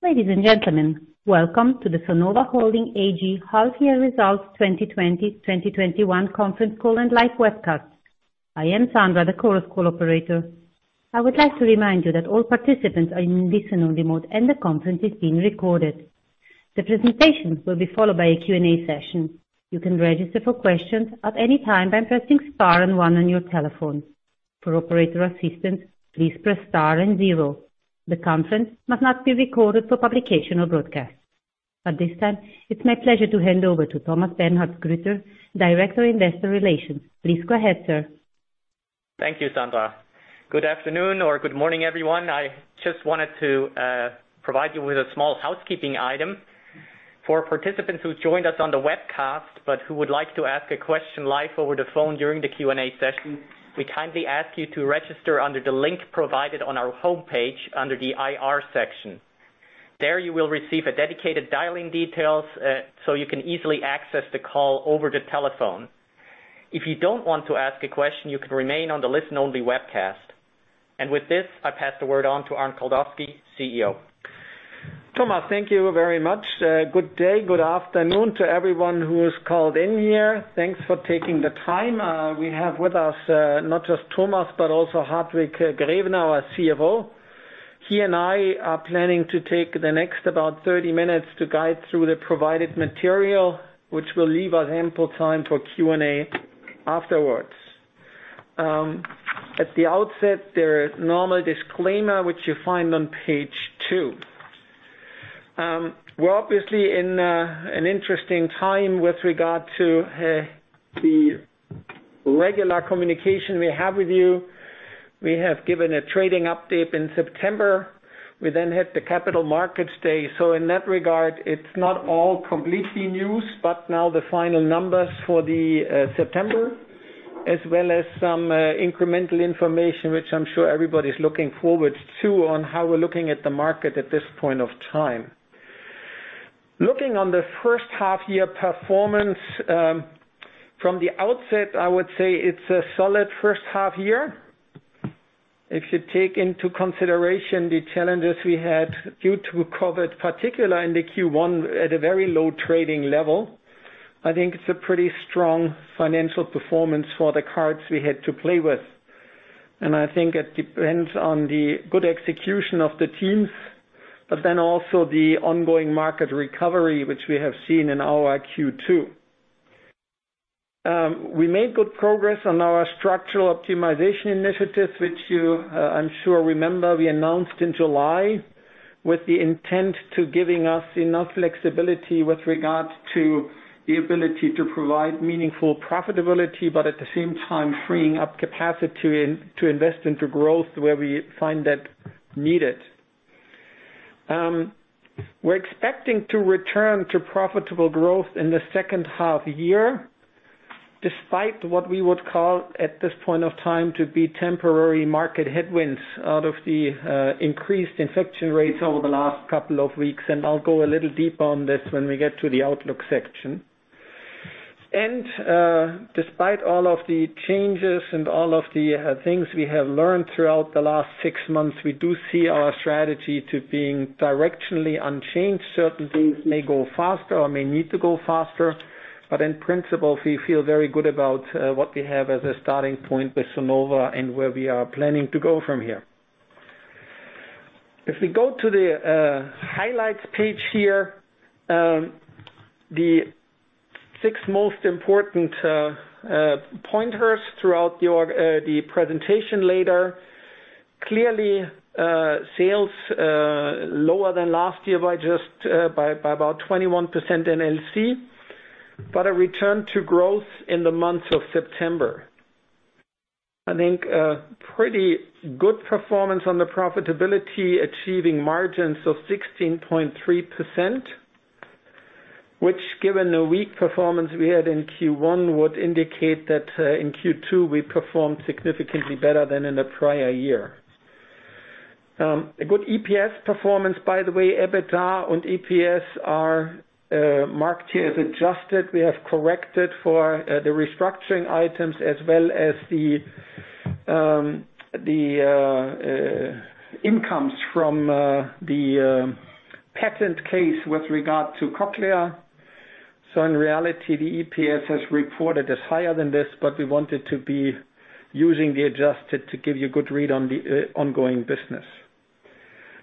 Ladies and gentlemen, welcome to the Sonova Holding AG Half Year Results 2020/2021 Conference Call and Live Webcast. I am Sandra, the conference call operator. I would like to remind you that all participants are in listen only mode and the conference is being recorded. The presentation will be followed by a Q&A session. You can register for questions at any time by pressing star and one on your telephone. For operator assistance, please press star and zero. The conference must not be recorded for publication or broadcast. At this time, it's my pleasure to hand over to Thomas Bernhardsgrütter, Director Investor Relations. Please go ahead, sir. Thank you, Sandra. Good afternoon or good morning, everyone. I just wanted to provide you with a small housekeeping item. For participants who've joined us on the webcast but who would like to ask a question live over the phone during the Q&A session, we kindly ask you to register under the link provided on our homepage under the IR section. There you will receive a dedicated dialing details, so you can easily access the call over the telephone. If you don't want to ask a question, you can remain on the listen only webcast. With this, I pass the word on to Arnd Kaldowski, CEO. Thomas, thank you very much. Good day, good afternoon to everyone who has called in here. Thanks for taking the time. We have with us, not just Thomas, but also Hartwig Grevener, our CFO. He and I are planning to take the next about 30 minutes to guide through the provided material, which will leave us ample time for Q&A afterwards. At the outset, the normal disclaimer, which you find on page two. We're obviously in an interesting time with regard to the regular communication we have with you. We have given a trading update in September. We then had the Capital Markets Day. In that regard, it's not all completely news, but now the final numbers for the September, as well as some incremental information, which I'm sure everybody's looking forward to on how we're looking at the market at this point of time. Looking on the first half year performance, from the outset, I would say it's a solid first half year. If you take into consideration the challenges we had due to COVID-19, particular in the Q1 at a very low trading level, I think it's a pretty strong financial performance for the cards we had to play with. I think it depends on the good execution of the teams, also the ongoing market recovery, which we have seen in our Q2. We made good progress on our structural optimization initiatives, which you, I'm sure, remember we announced in July with the intent to giving us enough flexibility with regard to the ability to provide meaningful profitability, at the same time freeing up capacity to invest into growth where we find that needed. We're expecting to return to profitable growth in the second half year, despite what we would call at this point of time to be temporary market headwinds out of the increased infection rates over the last couple of weeks, and I'll go a little deeper on this when we get to the outlook section. Despite all of the changes and all of the things we have learned throughout the last six months, we do see our strategy to being directionally unchanged. Certain things may go faster or may need to go faster, but in principle, we feel very good about what we have as a starting point with Sonova and where we are planning to go from here. If we go to the highlights page here, the six most important pointers throughout the presentation later. Clearly, sales lower than last year by about 21% in LC. A return to growth in the month of September. I think a pretty good performance on the profitability achieving margins of 16.3%, which given the weak performance we had in Q1, would indicate that, in Q2, we performed significantly better than in the prior year. A good EPS performance, by the way, EBITDA and EPS are marked here as adjusted. We have corrected for the restructuring items as well as the incomes from the patent case with regard to Cochlear. In reality, the EPS as reported is higher than this, but we wanted to be using the adjusted to give you a good read on the ongoing business.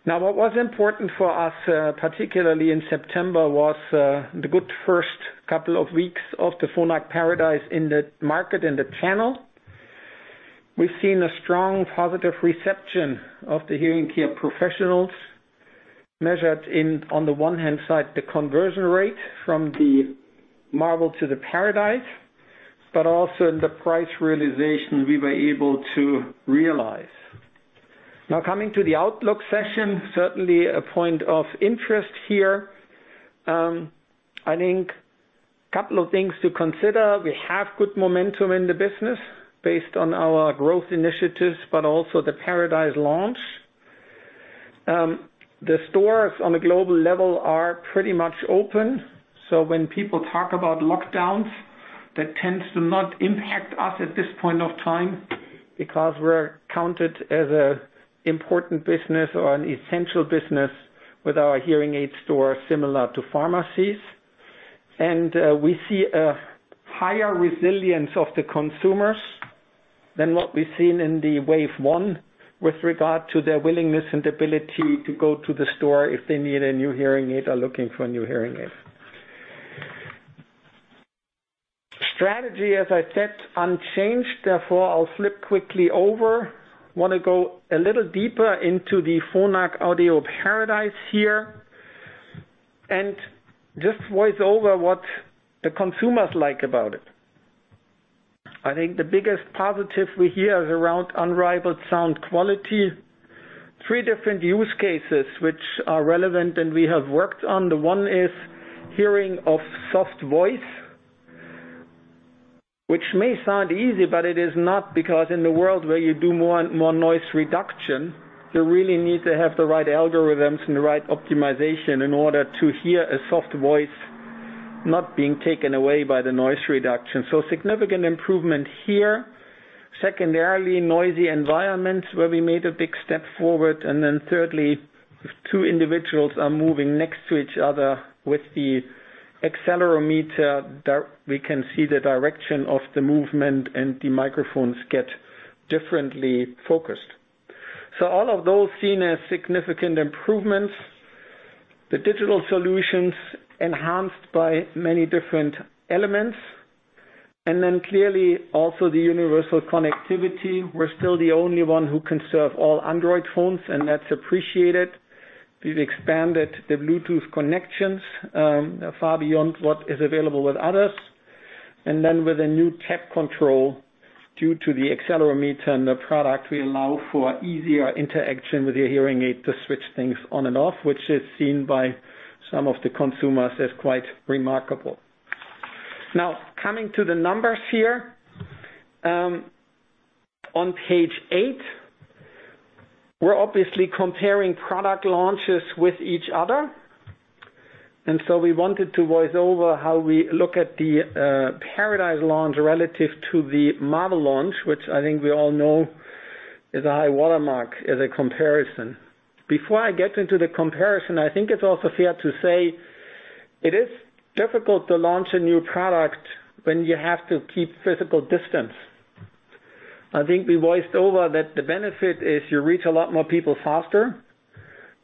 What was important for us, particularly in September, was the good first couple of weeks of the Phonak Paradise in the market and the channel. We've seen a strong positive reception of the hearing care professionals measured in, on the one hand side, the conversion rate from the Marvel to the Paradise, but also in the price realization we were able to realize. Now, coming to the outlook session, certainly a point of interest here. I think a couple of things to consider. We have good momentum in the business based on our growth initiatives, but also the Paradise launch. The stores on a global level are pretty much open, so when people talk about lockdowns, that tends to not impact us at this point of time, because we're counted as an important business or an essential business with our hearing aid store similar to pharmacies. We see a higher resilience of the consumers than what we've seen in the wave one with regard to their willingness and ability to go to the store if they need a new hearing aid or looking for a new hearing aid. Strategy, as I said, unchanged. Therefore, I'll flip quickly over. I want to go a little deeper into the Phonak Audéo Paradise here and just voice over what the consumers like about it. I think the biggest positive we hear is around unrivaled sound quality. Three different use cases, which are relevant and we have worked on. The one is hearing of soft voice, which may sound easy, but it is not, because in the world where you do more and more noise reduction, you really need to have the right algorithms and the right optimization in order to hear a soft voice not being taken away by the noise reduction. Significant improvement here. Secondarily, noisy environments where we made a big step forward. Thirdly, if two individuals are moving next to each other with the accelerometer, we can see the direction of the movement and the microphones get differently focused. All of those seen as significant improvements. The digital solutions enhanced by many different elements. Clearly also the universal connectivity. We're still the only one who can serve all Android phones, and that's appreciated. We've expanded the Bluetooth connections, far beyond what is available with others. With a new tap control due to the accelerometer in the product, we allow for easier interaction with your hearing aid to switch things on and off, which is seen by some of the consumers as quite remarkable. Coming to the numbers here. On page eight, we're obviously comparing product launches with each other, we wanted to voice over how we look at the Paradise launch relative to the Marvel launch, which I think we all know is a high watermark as a comparison. Before I get into the comparison, I think it's also fair to say it is difficult to launch a new product when you have to keep physical distance. I think we voiced over that the benefit is you reach a lot more people faster.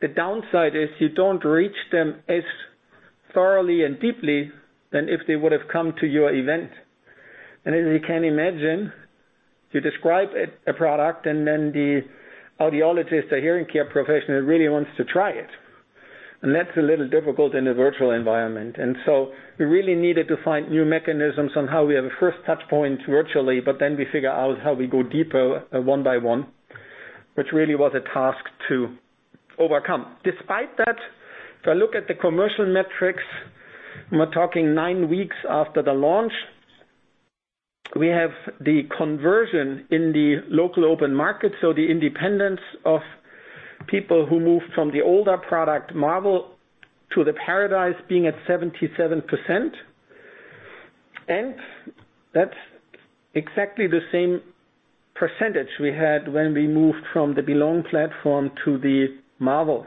The downside is you don't reach them as thoroughly and deeply than if they would've come to your event. As you can imagine, you describe a product and then the audiologist or hearing care professional really wants to try it. That's a little difficult in a virtual environment. We really needed to find new mechanisms on how we have a first touch point virtually, but then we figure out how we go deeper one by one, which really was a task to overcome. Despite that, if I look at the commercial metrics, we're talking nine weeks after the launch. We have the conversion in the local open market, so the independents of people who move from the older product Marvel to the Paradise being at 77%. That's exactly the same percentage we had when we moved from the Belong platform to the Marvel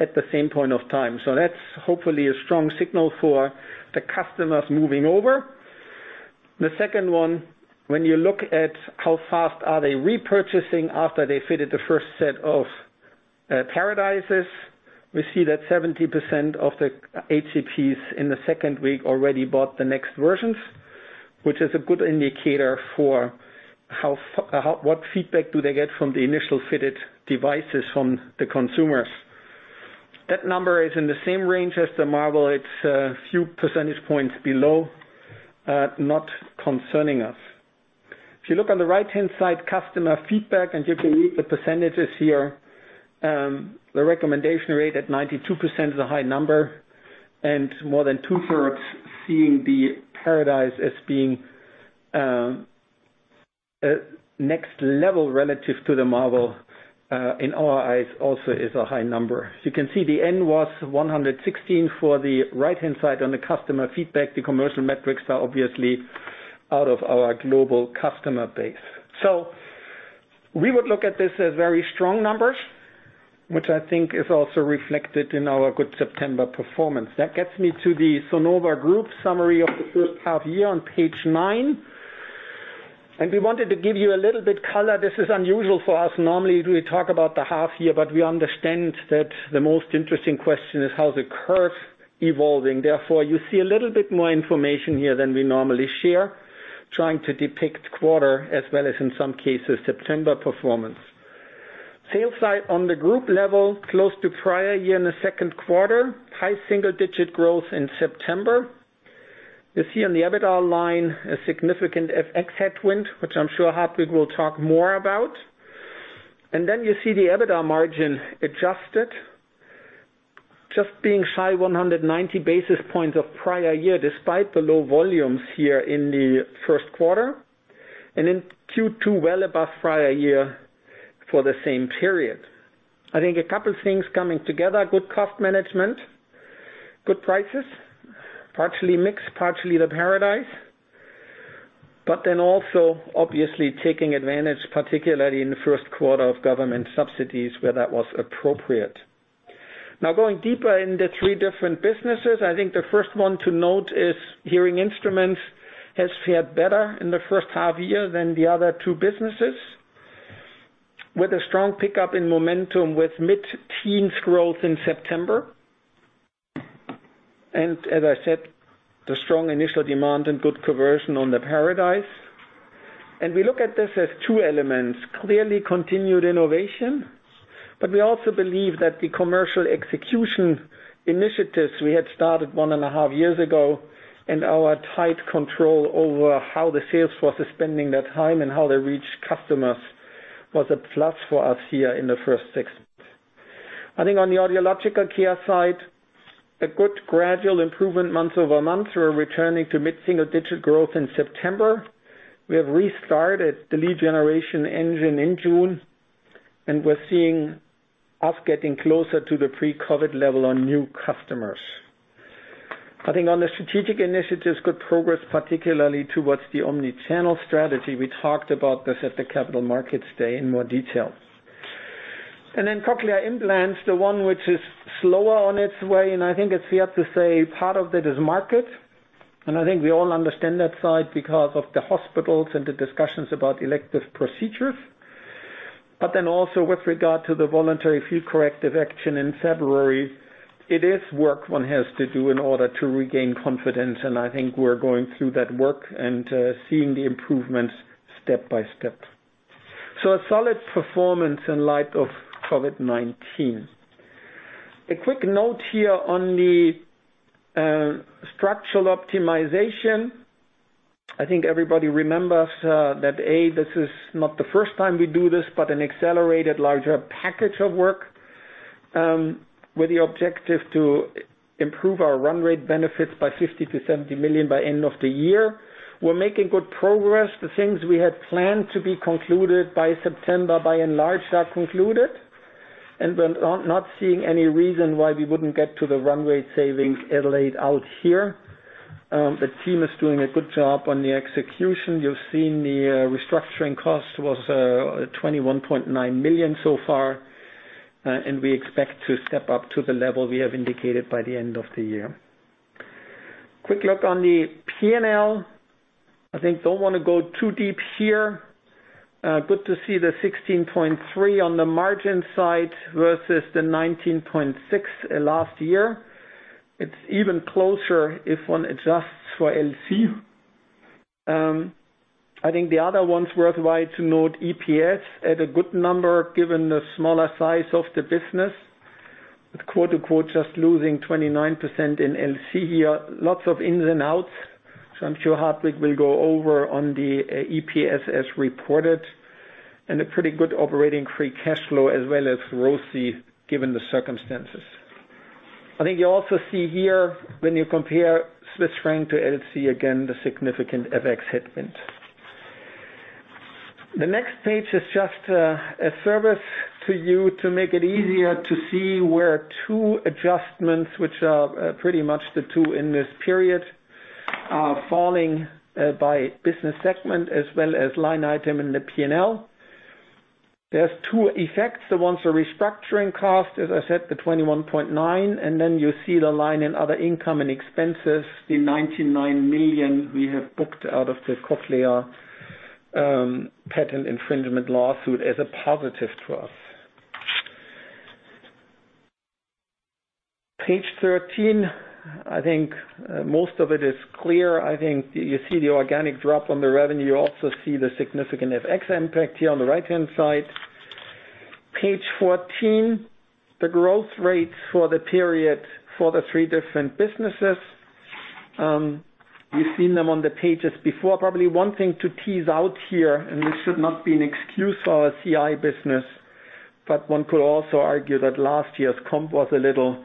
at the same point of time. That's hopefully a strong signal for the customers moving over. The second one, when you look at how fast are they repurchasing after they fitted the first set of Paradises, we see that 70% of the HCPs in the second week already bought the next versions, which is a good indicator for what feedback do they get from the initial fitted devices from the consumers. That number is in the same range as the Marvel. It's a few percentage points below, not concerning us. If you look on the right-hand side, customer feedback, and you can read the percentages here, the recommendation rate at 92% is a high number, and more than two-thirds seeing the Paradise as being a next level relative to the Marvel, in our eyes also is a high number. As you can see, the N was 116 for the right-hand side on the customer feedback. The commercial metrics are obviously out of our global customer base. We would look at this as very strong numbers, which I think is also reflected in our good September performance. That gets me to the Sonova group summary of the first half year on page nine, and we wanted to give you a little bit color. This is unusual for us. Normally we talk about the half year, but we understand that the most interesting question is how the curve evolving. Therefore, you see a little bit more information here than we normally share, trying to depict quarter as well as in some cases September performance. Sales side on the group level, close to prior year in the second quarter. High single-digit growth in September. You see on the EBITDA line a significant FX headwind, which I'm sure Hartwig will talk more about. You see the EBITDA margin adjusted, just being shy 190 basis points of prior year despite the low volumes here in the first quarter. In Q2, well above prior year for the same period. I think a couple of things coming together, good cost management, good prices, partially mixed, partially the Paradise, also obviously taking advantage, particularly in the first quarter of government subsidies where that was appropriate. Going deeper into three different businesses, I think the first one to note is hearing instruments has fared better in the first half-year than the other two businesses, with a strong pickup in momentum with mid-teens growth in September. As I said, the strong initial demand and good conversion on the Paradise. We look at this as two elements, clearly continued innovation, but we also believe that the commercial execution initiatives we had started one and a half years ago and our tight control over how the sales force is spending their time and how they reach customers was a plus for us here in the first six months. I think on the Audiological Care side, a good gradual improvement month-over-month. We're returning to mid-single digit growth in September. We have restarted the lead generation engine in June. We're seeing us getting closer to the pre-COVID level on new customers. I think on the strategic initiatives, good progress, particularly towards the omni-channel strategy. We talked about this at the Capital Markets Day in more detail. Cochlear implants, the one which is slower on its way. I think it's fair to say part of it is market. I think we all understand that side because of the hospitals and the discussions about elective procedures. Also with regard to the voluntary field corrective action in February, it is work one has to do in order to regain confidence. I think we're going through that work and seeing the improvements step by step. A solid performance in light of COVID-19. A quick note here on the structural optimization. I think everybody remembers that, A, this is not the first time we do this, but an accelerated larger package of work, with the objective to improve our run rate benefits by 50 million-70 million by end of the year. We're making good progress. The things we had planned to be concluded by September, by and large, are concluded, and we're not seeing any reason why we wouldn't get to the run rate savings laid out here. The team is doing a good job on the execution. You've seen the restructuring cost was 21.9 million so far, and we expect to step up to the level we have indicated by the end of the year. Quick look on the P&L. I think don't want to go too deep here. Good to see the 16.3% on the margin side versus the 19.6% last year. It's even closer if one adjusts for LC. I think the other one's worthwhile to note, EPS, at a good number given the smaller size of the business, with quote unquote, just losing 29% in LC here. Lots of ins and outs. I'm sure Hartwig will go over on the EPS as reported and a pretty good operating free cash flow as well as ROCE, given the circumstances. I think you also see here when you compare Swiss franc to LC, again, the significant FX headwind. The next page is just a service to you to make it easier to see where two adjustments, which are pretty much the two in this period, are falling by business segment as well as line item in the P&L. There's two effects. The ones are restructuring cost, as I said, the 21.9, and then you see the line in other income and expenses, the 99 million we have booked out of the Cochlear patent infringement lawsuit as a positive for us. Page 13, I think most of it is clear. I think you see the organic drop on the revenue. You also see the significant FX impact here on the right-hand side. Page 14, the growth rates for the period for the three different businesses. We've seen them on the pages before. Probably one thing to tease out here, and this should not be an excuse for our CI business, but one could also argue that last year's comp was a little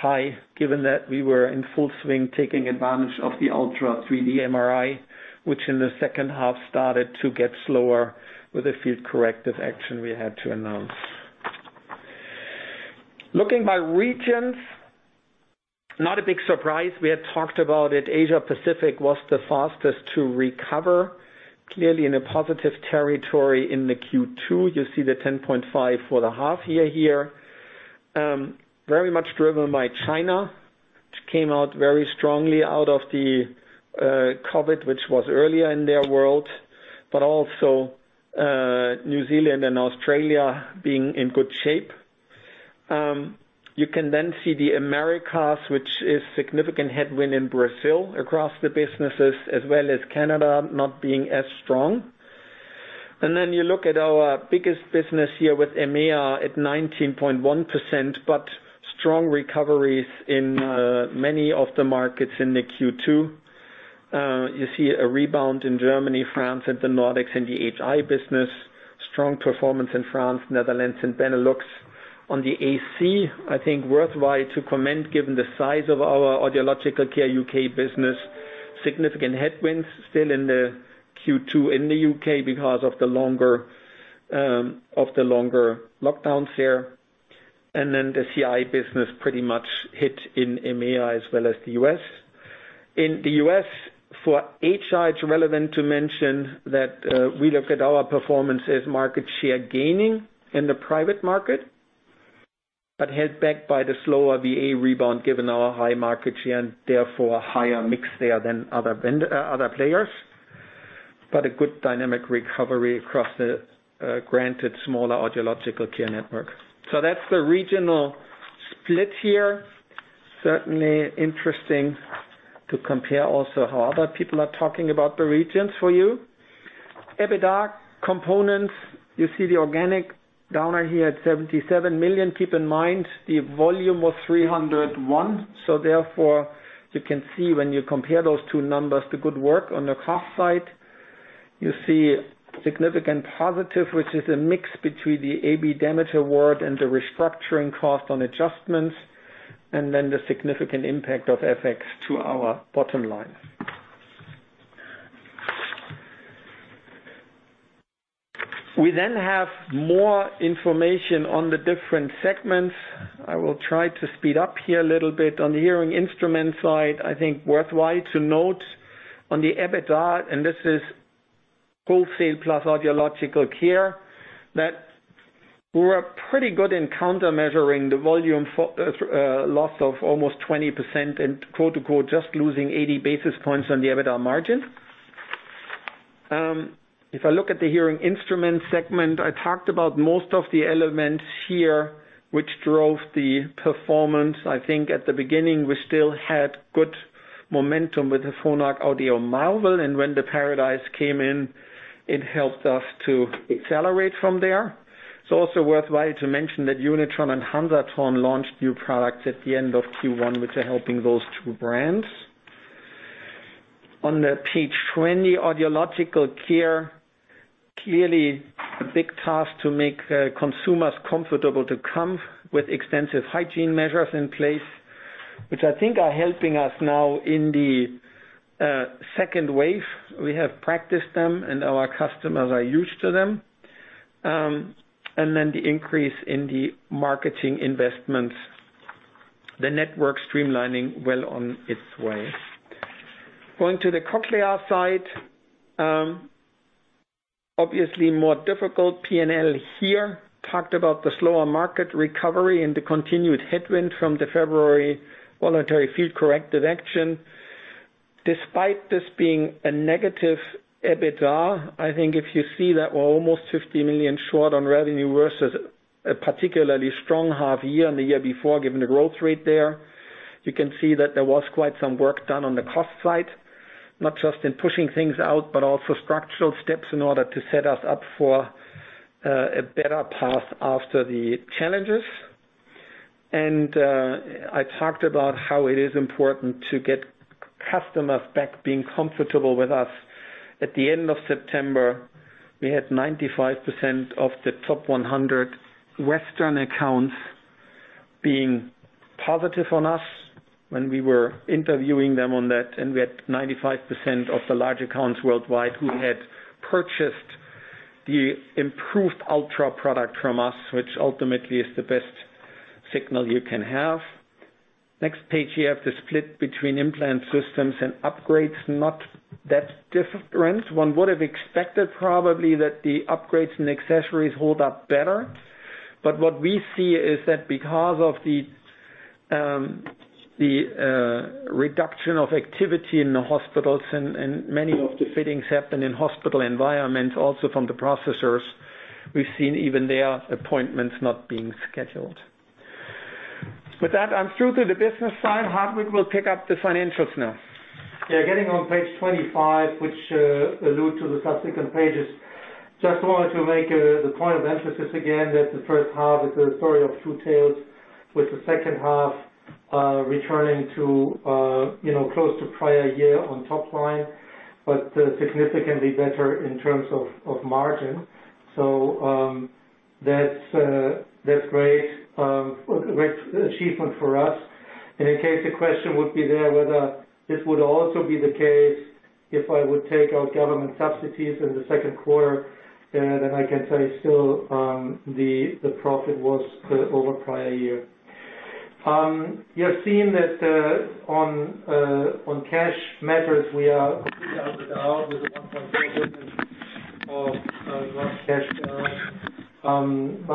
high given that we were in full swing taking advantage of the Ultra 3D MRI, which in the second half started to get slower with a field corrective action we had to announce. Looking by regions, not a big surprise, we had talked about it. Asia-Pacific was the fastest to recover, clearly in a positive territory in the Q2. You see the 10.5% for the half year here. Very much driven by China, which came out very strongly out of the COVID-19, which was earlier in their world, but also New Zealand and Australia being in good shape. You can then see the Americas, which is significant headwind in Brazil across the businesses, as well as Canada not being as strong. You look at our biggest business here with EMEA at 19.1%, but strong recoveries in many of the markets in the Q2. You see a rebound in Germany, France, and the Nordics in the HI business. Strong performance in France, Netherlands, and Benelux. On the AC, I think worthwhile to comment, given the size of our Audiological Care U.K. business, significant headwinds still in the Q2 in the U.K. because of the longer lockdowns there. The CI business pretty much hit in EMEA as well as the U.S. In the U.S. for HI, it's relevant to mention that we look at our performance as market share gaining in the private market, but held back by the slower VA rebound given our high market share and therefore higher mix there than other players. A good dynamic recovery across the granted smaller audiological care network. That's the regional split here. Interesting to compare also how other people are talking about the regions for you. EBITDA components, you see the organic down here at 77 million. Keep in mind the volume was 301, you can see when you compare those two numbers, the good work on the cost side. You see significant positive, which is a mix between the AB damage award and the restructuring cost on adjustments, and then the significant impact of FX to our bottom line. We have more information on the different segments. I will try to speed up here a little bit. On the hearing instrument side, I think worthwhile to note on the EBITDA, and this is wholesale plus Audiological Care, that we're pretty good in counter-measuring the volume loss of almost 20% and quote-unquote, just losing 80 basis points on the EBITDA margin. If I look at the hearing instrument segment, I talked about most of the elements here, which drove the performance. I think at the beginning, we still had good momentum with the Phonak Audéo Marvel, and when the Phonak Paradise came in, it helped us to accelerate from there. It's also worthwhile to mention that Unitron and Hansaton launched new products at the end of Q1, which are helping those two brands. On page 20, Audiological Care, clearly a big task to make consumers comfortable to come with extensive hygiene measures in place, which I think are helping us now in the second wave. We have practiced them, and our customers are used to them. The increase in the marketing investments, the network streamlining well on its way. Going to the Cochlear side, obviously more difficult P&L here. Talked about the slower market recovery and the continued headwind from the February voluntary field corrective action. Despite this being a negative EBITDA, I think if you see that we're almost 50 million short on revenue versus a particularly strong half year and the year before, given the growth rate there, you can see that there was quite some work done on the cost side, not just in pushing things out, but also structural steps in order to set us up for a better path after the challenges. I talked about how it is important to get customers back being comfortable with us. At the end of September, we had 95% of the top 100 Western accounts being positive on us when we were interviewing them on that, and we had 95% of the large accounts worldwide who had purchased the improved Ultra product from us, which ultimately is the best signal you can have. Next page, you have the split between implant systems and upgrades, not that different. One would have expected probably that the upgrades and accessories hold up better. What we see is that because of the reduction of activity in the hospitals and many of the fittings happen in hospital environments also from the processors, we've seen even their appointments not being scheduled. With that, I'm through to the business side. Hartwig will pick up the financials now. Getting on page 25, which allude to the subsequent pages. Just wanted to make the point of emphasis again that the first half is a story of two tales with the second half returning to close to prior year on top line, but significantly better in terms of margin. That's great achievement for us. In case the question would be there whether this would also be the case if I would take out government subsidies in the second quarter, I can tell you still the profit was over prior year. You have seen that on cash measures, we are with 1.4 billion of gross cash.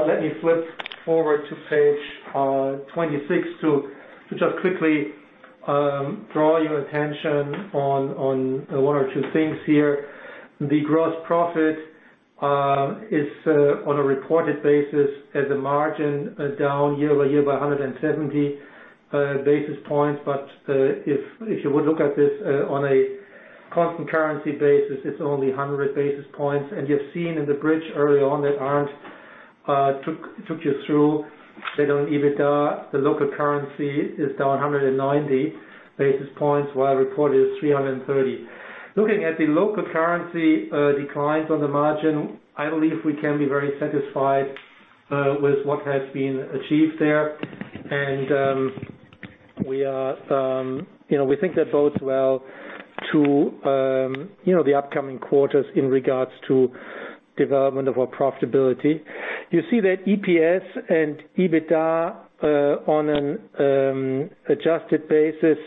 Let me flip forward to page 26 to just quickly draw your attention on one or two things here. The gross profit is on a reported basis as a margin down year-over-year by 170 basis points. If you would look at this on a constant currency basis, it's only 100 basis points. You have seen in the bridge early on that Arnd took you through that on EBITDA, the local currency is down 190 basis points, while reported is 330. Looking at the local currency declines on the margin, I believe we can be very satisfied with what has been achieved there. We think that bodes well to the upcoming quarters in regards to development of our profitability. You see that EPS and EBITDA on an adjusted basis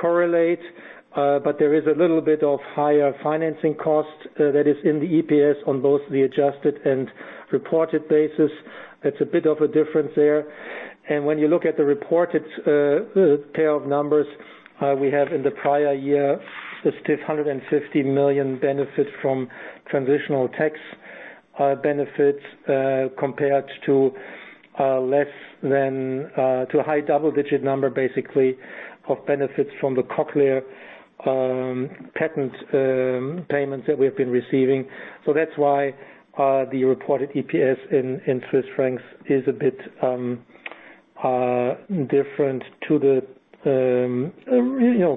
correlate, but there is a little bit of higher financing cost that is in the EPS on both the adjusted and reported basis. That's a bit of a difference there. When you look at the reported pair of numbers we have in the prior year, the 150 million benefit from transitional tax benefits compared to a high double-digit number, basically, of benefits from the Cochlear patent payments that we have been receiving. That's why the reported EPS in absolute strength is a bit different to the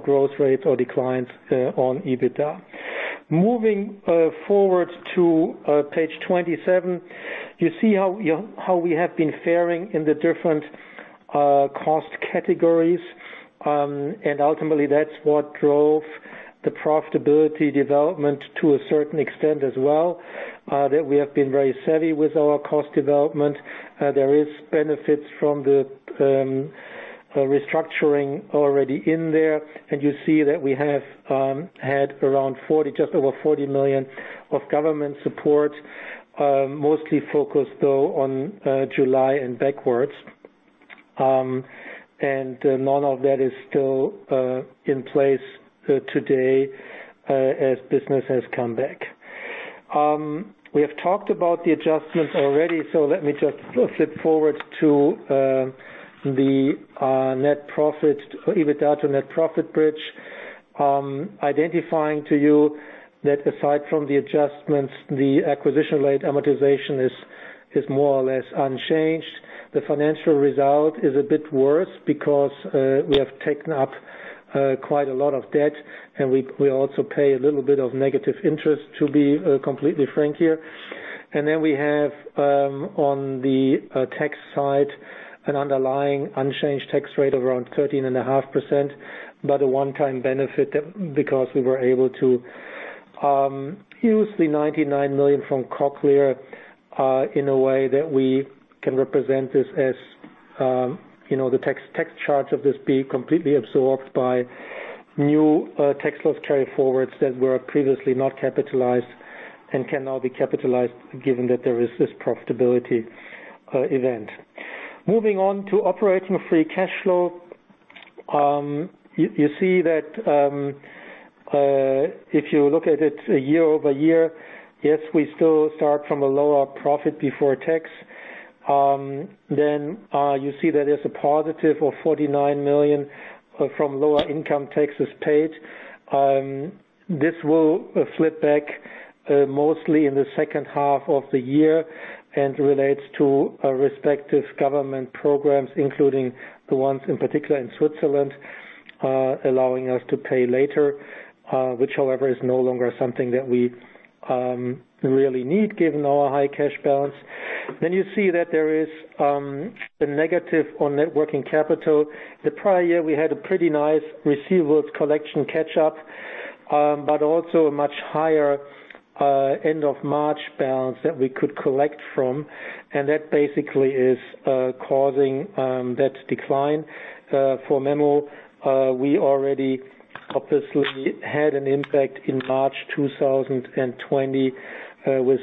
growth rate or declines on EBITDA. Moving forward to page 27, you see how we have been faring in the different cost categories. Ultimately, that's what drove the profitability development to a certain extent as well, that we have been very savvy with our cost development. There is benefits from the restructuring already in there, and you see that we have had just over 40 million of government support. Mostly focused, though, on July and backwards. None of that is still in place today as business has come back. We have talked about the adjustments already, so let me just flip forward to the EBITDA to net profit bridge, identifying to you that aside from the adjustments, the acquisition-related amortization is more or less unchanged. The financial result is a bit worse, because we have taken up quite a lot of debt, and we also pay a little bit of negative interest, to be completely frank here. Then we have, on the tax side, an underlying unchanged tax rate of around 13.5%, but a one-time benefit because we were able to use the 99 million from Cochlear in a way that we can represent this as the tax charge of this being completely absorbed by new tax loss carryforwards that were previously not capitalized and can now be capitalized given that there is this profitability event. Moving on to operating free cash flow. You see that if you look at it year-over-year, yes, we still start from a lower profit before tax. You see that there's a positive of 49 million from lower income taxes paid. This will flip back mostly in the second half of the year and relates to respective government programs, including the ones in particular in Switzerland, allowing us to pay later. Which, however, is no longer something that we really need given our high cash balance. You see that there is a negative on net working capital. The prior year, we had a pretty nice receivables collection catch-up, but also a much higher end of March balance that we could collect from, and that basically is causing that decline. For memo, we already obviously had an impact in March 2020, with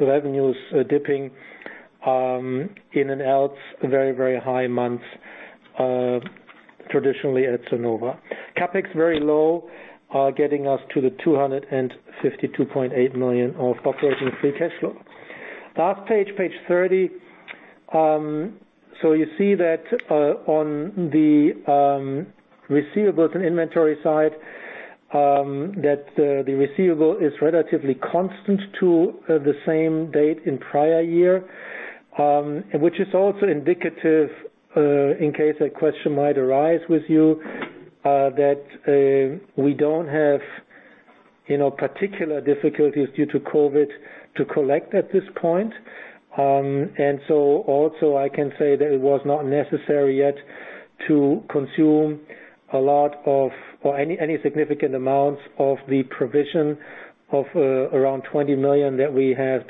revenues dipping in an else very high month traditionally at Sonova. CapEx very low, getting us to the 252.8 million of operating free cash flow. Last page 30. You see that on the receivables and inventory side, that the receivable is relatively constant to the same date in prior year. Which is also indicative, in case a question might arise with you, that we don't have particular difficulties due to COVID-19 to collect at this point. Also, I can say that it was not necessary yet to consume any significant amounts of the provision of around 20 million that we had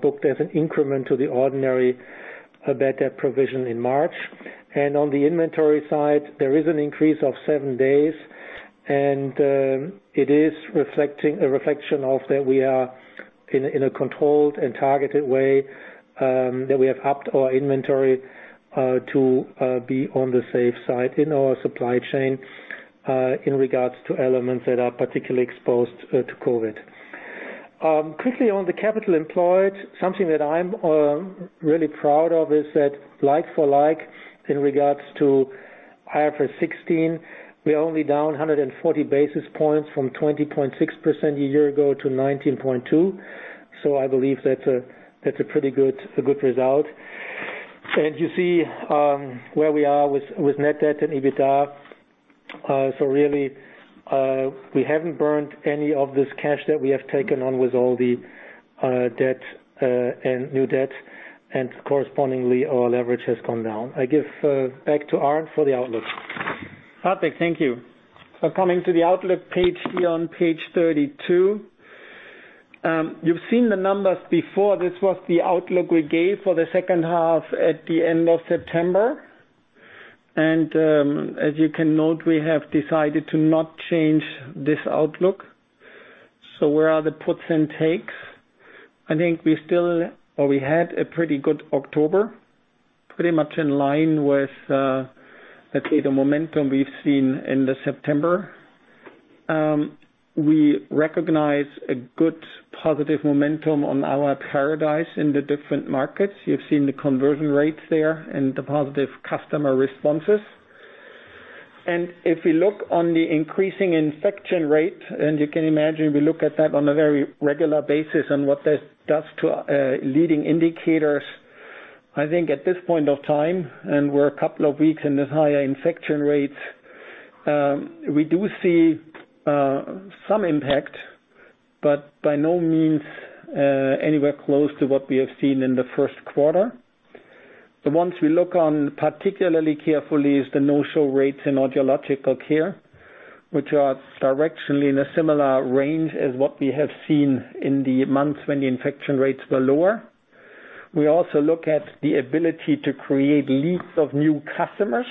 booked as an increment to the ordinary bad debt provision in March. On the inventory side, there is an increase of seven days, and it is a reflection of that we are in a controlled and targeted way, that we have upped our inventory to be on the safe side in our supply chain in regards to elements that are particularly exposed to COVID. Quickly on the capital employed, something that I'm really proud of is that like for like in regards to IFRS 16, we are only down 140 basis points from 20.6% a year ago to 19.2%. I believe that's a pretty good result. You see where we are with net debt and EBITDA. Really, we haven't burned any of this cash that we have taken on with all the debt and new debt, and correspondingly, our leverage has come down. I give back to Arnd for the outlook. Perfect, thank you. Coming to the outlook page here on page 32. You've seen the numbers before. This was the outlook we gave for the second half at the end of September. As you can note, we have decided to not change this outlook. Where are the puts and takes? I think we had a pretty good October, pretty much in line with, let's say, the momentum we've seen in the September. We recognize a good positive momentum on our Paradise in the different markets. You've seen the conversion rates there and the positive customer responses. If we look on the increasing infection rate, and you can imagine we look at that on a very regular basis on what that does to leading indicators. I think at this point of time, and we're a couple of weeks in this higher infection rates, we do see some impact, but by no means anywhere close to what we have seen in the first quarter. The ones we look on particularly carefully is the no-show rates in audiological care, which are directionally in a similar range as what we have seen in the months when the infection rates were lower. We also look at the ability to create leads of new customers,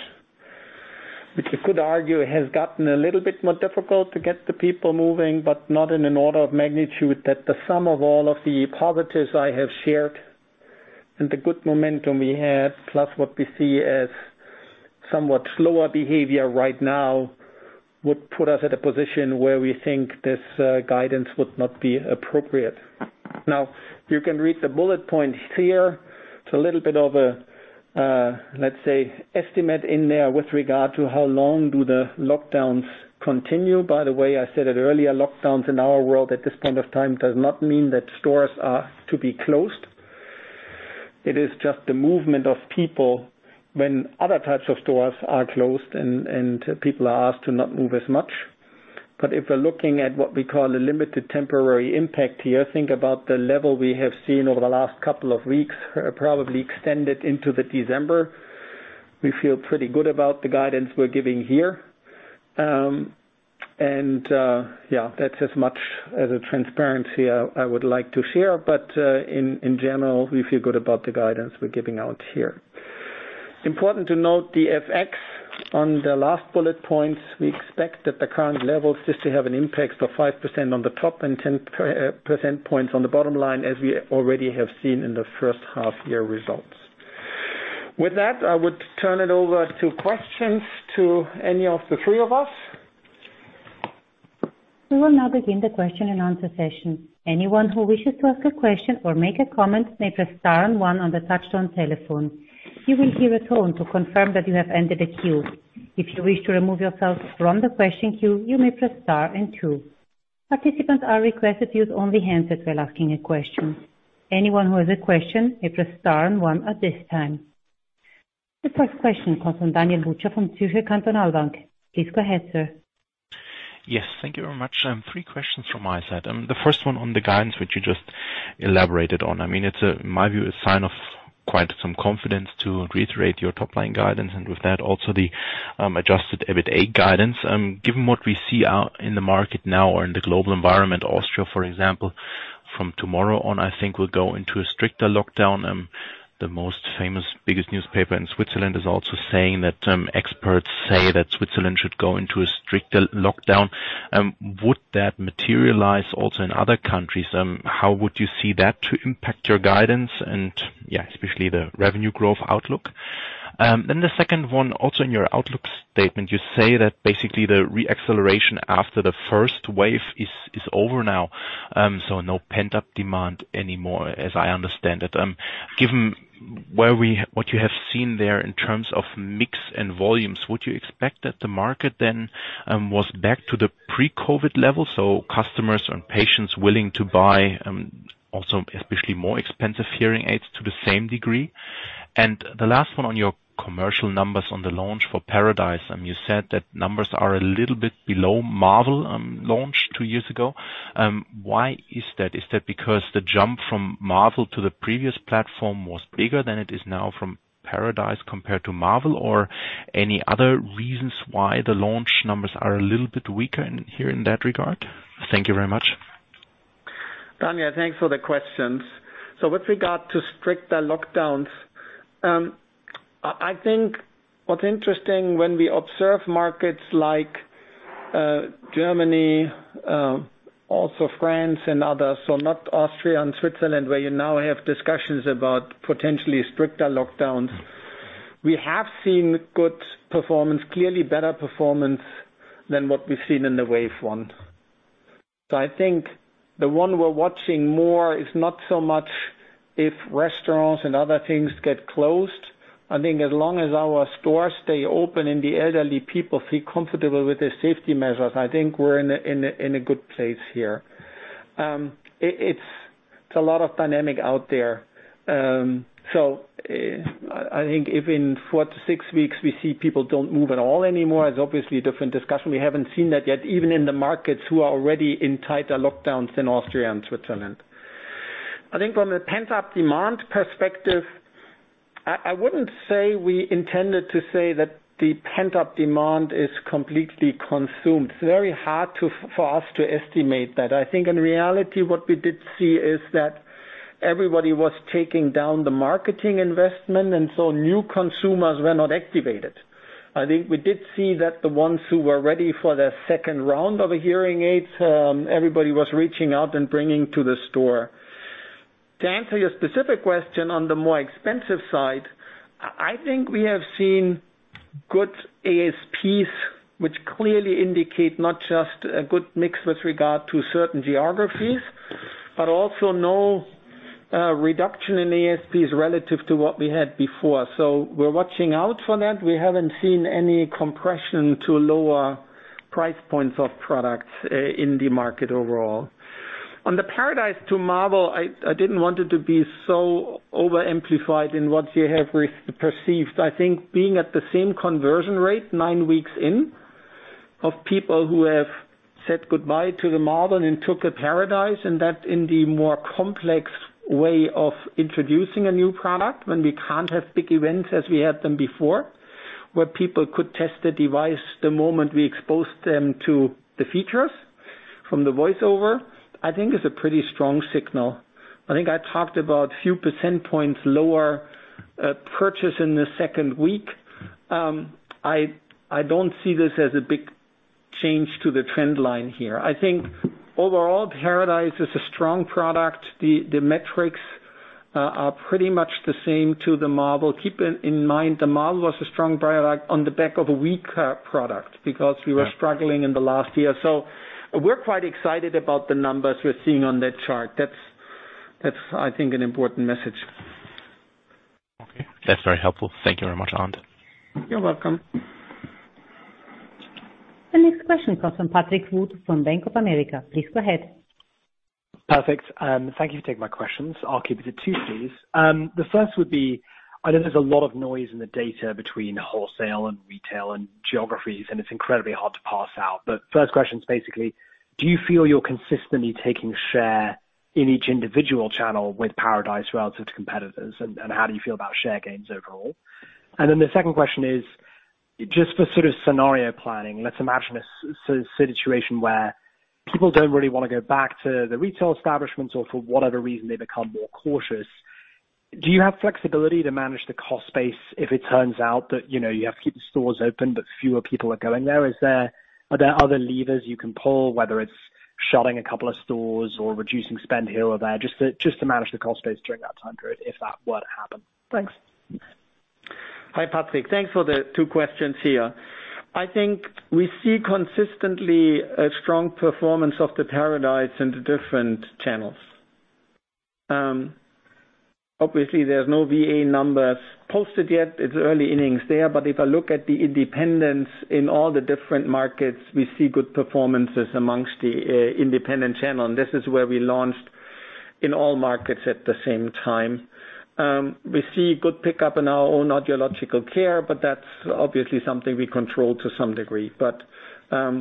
which we could argue has gotten a little bit more difficult to get the people moving, but not in an order of magnitude that the sum of all of the positives I have shared and the good momentum we had, plus what we see as somewhat slower behavior right now would put us at a position where we think this guidance would not be appropriate. Now you can read the bullet points here. It's a little bit of a, let's say, estimate in there with regard to how long do the lockdowns continue. By the way, I said it earlier, lockdowns in our world at this point of time does not mean that stores are to be closed. It is just the movement of people when other types of stores are closed and people are asked to not move as much. If we're looking at what we call a limited temporary impact here, think about the level we have seen over the last couple of weeks, probably extended into December. We feel pretty good about the guidance we're giving here. Yeah, that's as much as a transparency I would like to share. In general, we feel good about the guidance we're giving out here. Important to note, the FX on the last bullet points, we expect that the current levels just to have an impact of 5% on the top and 10% points on the bottom line as we already have seen in the first half-year results. With that, I would turn it over to questions to any of the three of us. We will now begin the question and answer session. Anyone who wishes to ask a question or make a comment may press star and one on the touchtone telephone. You will hear a tone to confirm that you have entered the queue. If you wish to remove yourself from the question queue, you may press star and two. Participants are requested to use only hands if they're asking a question. Anyone who has a question may press star and one at this time. The first question comes from Daniel Buchta from Zürcher Kantonalbank. Please go ahead, sir. Yes, thank you very much. Three questions from my side. The first one on the guidance, which you just elaborated on. It's in my view a sign of quite some confidence to reiterate your top line guidance and with that also the adjusted EBITDA guidance. Given what we see out in the market now or in the global environment, Austria, for example, from tomorrow on, I think will go into a stricter lockdown. The most famous, biggest newspaper in Switzerland is also saying that experts say that Switzerland should go into a stricter lockdown. Would that materialize also in other countries? How would you see that to impact your guidance and yeah, especially the revenue growth outlook? The second one, also in your outlook statement, you say that basically the re-acceleration after the first wave is over now, so no pent-up demand anymore as I understand it. Given what you have seen there in terms of mix and volumes, would you expect that the market then was back to the pre-COVID level, so customers and patients willing to buy, also especially more expensive hearing aids to the same degree? The last one on your commercial numbers on the launch for Paradise, you said that numbers are a little bit below Marvel launch two years ago. Why is that? Is that because the jump from Marvel to the previous platform was bigger than it is now from Paradise compared to Marvel? Or any other reasons why the launch numbers are a little bit weaker in here in that regard? Thank you very much. Daniel, thanks for the questions. With regard to stricter lockdowns, I think what's interesting when we observe markets like Germany, also France and others, not Austria and Switzerland, where you now have discussions about potentially stricter lockdowns. We have seen good performance, clearly better performance than what we've seen in the wave one. I think the one we're watching more is not so much if restaurants and other things get closed. I think as long as our stores stay open and the elderly people feel comfortable with the safety measures, I think we're in a good place here. It's a lot of dynamic out there. I think if in four to six weeks we see people don't move at all anymore, it's obviously a different discussion. We haven't seen that yet, even in the markets who are already in tighter lockdowns than Austria and Switzerland. I think from a pent-up demand perspective, I wouldn't say we intended to say that the pent-up demand is completely consumed. It's very hard for us to estimate that. In reality, what we did see is that everybody was taking down the marketing investment, new consumers were not activated. I think we did see that the ones who were ready for their second round of hearing aids, everybody was reaching out and bringing to the store. To answer your specific question on the more expensive side, I think we have seen good ASPs, which clearly indicate not just a good mix with regard to certain geographies, but also no reduction in ASPs relative to what we had before. We're watching out for that. We haven't seen any compression to lower price points of products in the market overall. On the Paradise to Marvel, I didn't want it to be so over-amplified in what you have perceived. I think being at the same conversion rate nine weeks in of people who have said goodbye to the Marvel and took a Paradise, and that in the more complex way of introducing a new product, when we can't have big events as we had them before, where people could test the device the moment we exposed them to the features from the voiceover, I think is a pretty strong signal. I think I talked about a few percentage points lower purchase in the second week. I don't see this as a big change to the trend line here. I think overall, Paradise is a strong product. The metrics are pretty much the same to the Marvel. Keep in mind, the Marvel was a strong product on the back of a weaker product because we were struggling in the last year. We're quite excited about the numbers we're seeing on that chart. That's, I think, an important message. Okay. That's very helpful. Thank you very much, Arnd. You're welcome. The next question comes from Patrick Wood from Bank of America. Please go ahead. Perfect. Thank you for taking my questions. I'll keep it to two, please. The first would be, I know there's a lot of noise in the data between wholesale and retail and geographies, and it's incredibly hard to parse out. First question is basically, do you feel you're consistently taking share in each individual channel with Paradise relative to competitors? How do you feel about share gains overall? The second question is, just for sort of scenario planning, let's imagine a situation where people don't really want to go back to the retail establishments or for whatever reason, they become more cautious. Do you have flexibility to manage the cost base if it turns out that you have to keep the stores open, but fewer people are going there? Are there other levers you can pull, whether it's shutting a couple of stores or reducing spend here or there, just to manage the cost base during that time period if that were to happen? Thanks. Hi, Patrick. Thanks for the two questions here. I think we see consistently a strong performance of the Paradise in the different channels. Obviously, there's no VA numbers posted yet. It's early innings there. If I look at the independence in all the different markets, we see good performances amongst the independent channel, and this is where we launched in all markets at the same time. We see good pickup in our own audiological care, but that's obviously something we control to some degree. I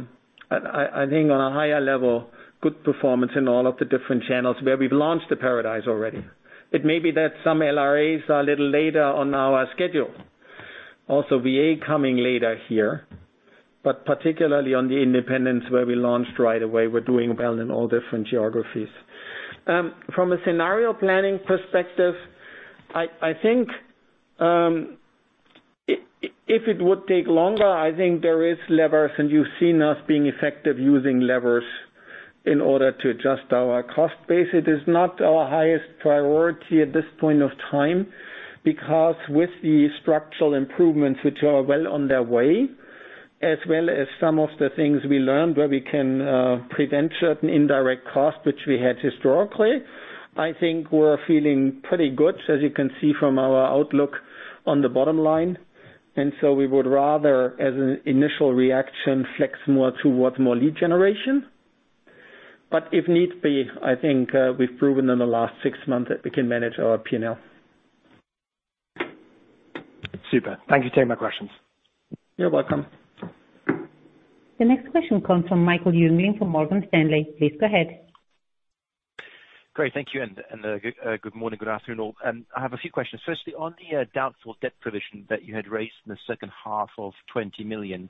think on a higher level, good performance in all of the different channels where we've launched the Paradise already. It may be that some LRAs are a little later on our schedule. Also VA coming later here. Particularly on the independence where we launched right away, we're doing well in all different geographies. From a scenario planning perspective, I think if it would take longer, I think there is levers, and you've seen us being effective using levers in order to adjust our cost base. It is not our highest priority at this point of time because with the structural improvements, which are well on their way, as well as some of the things we learned where we can prevent certain indirect costs which we had historically, I think we're feeling pretty good, as you can see from our outlook on the bottom line. We would rather, as an initial reaction, flex more towards more lead generation. If need be, I think we've proven in the last six months that we can manage our P&L. Super. Thank you for taking my questions. You're welcome. The next question comes from Michael Jüngling from Morgan Stanley. Please go ahead. Great. Thank you. Good morning, good afternoon all. I have a few questions. Firstly, on the doubtful debt provision that you had raised in the second half of 20 million,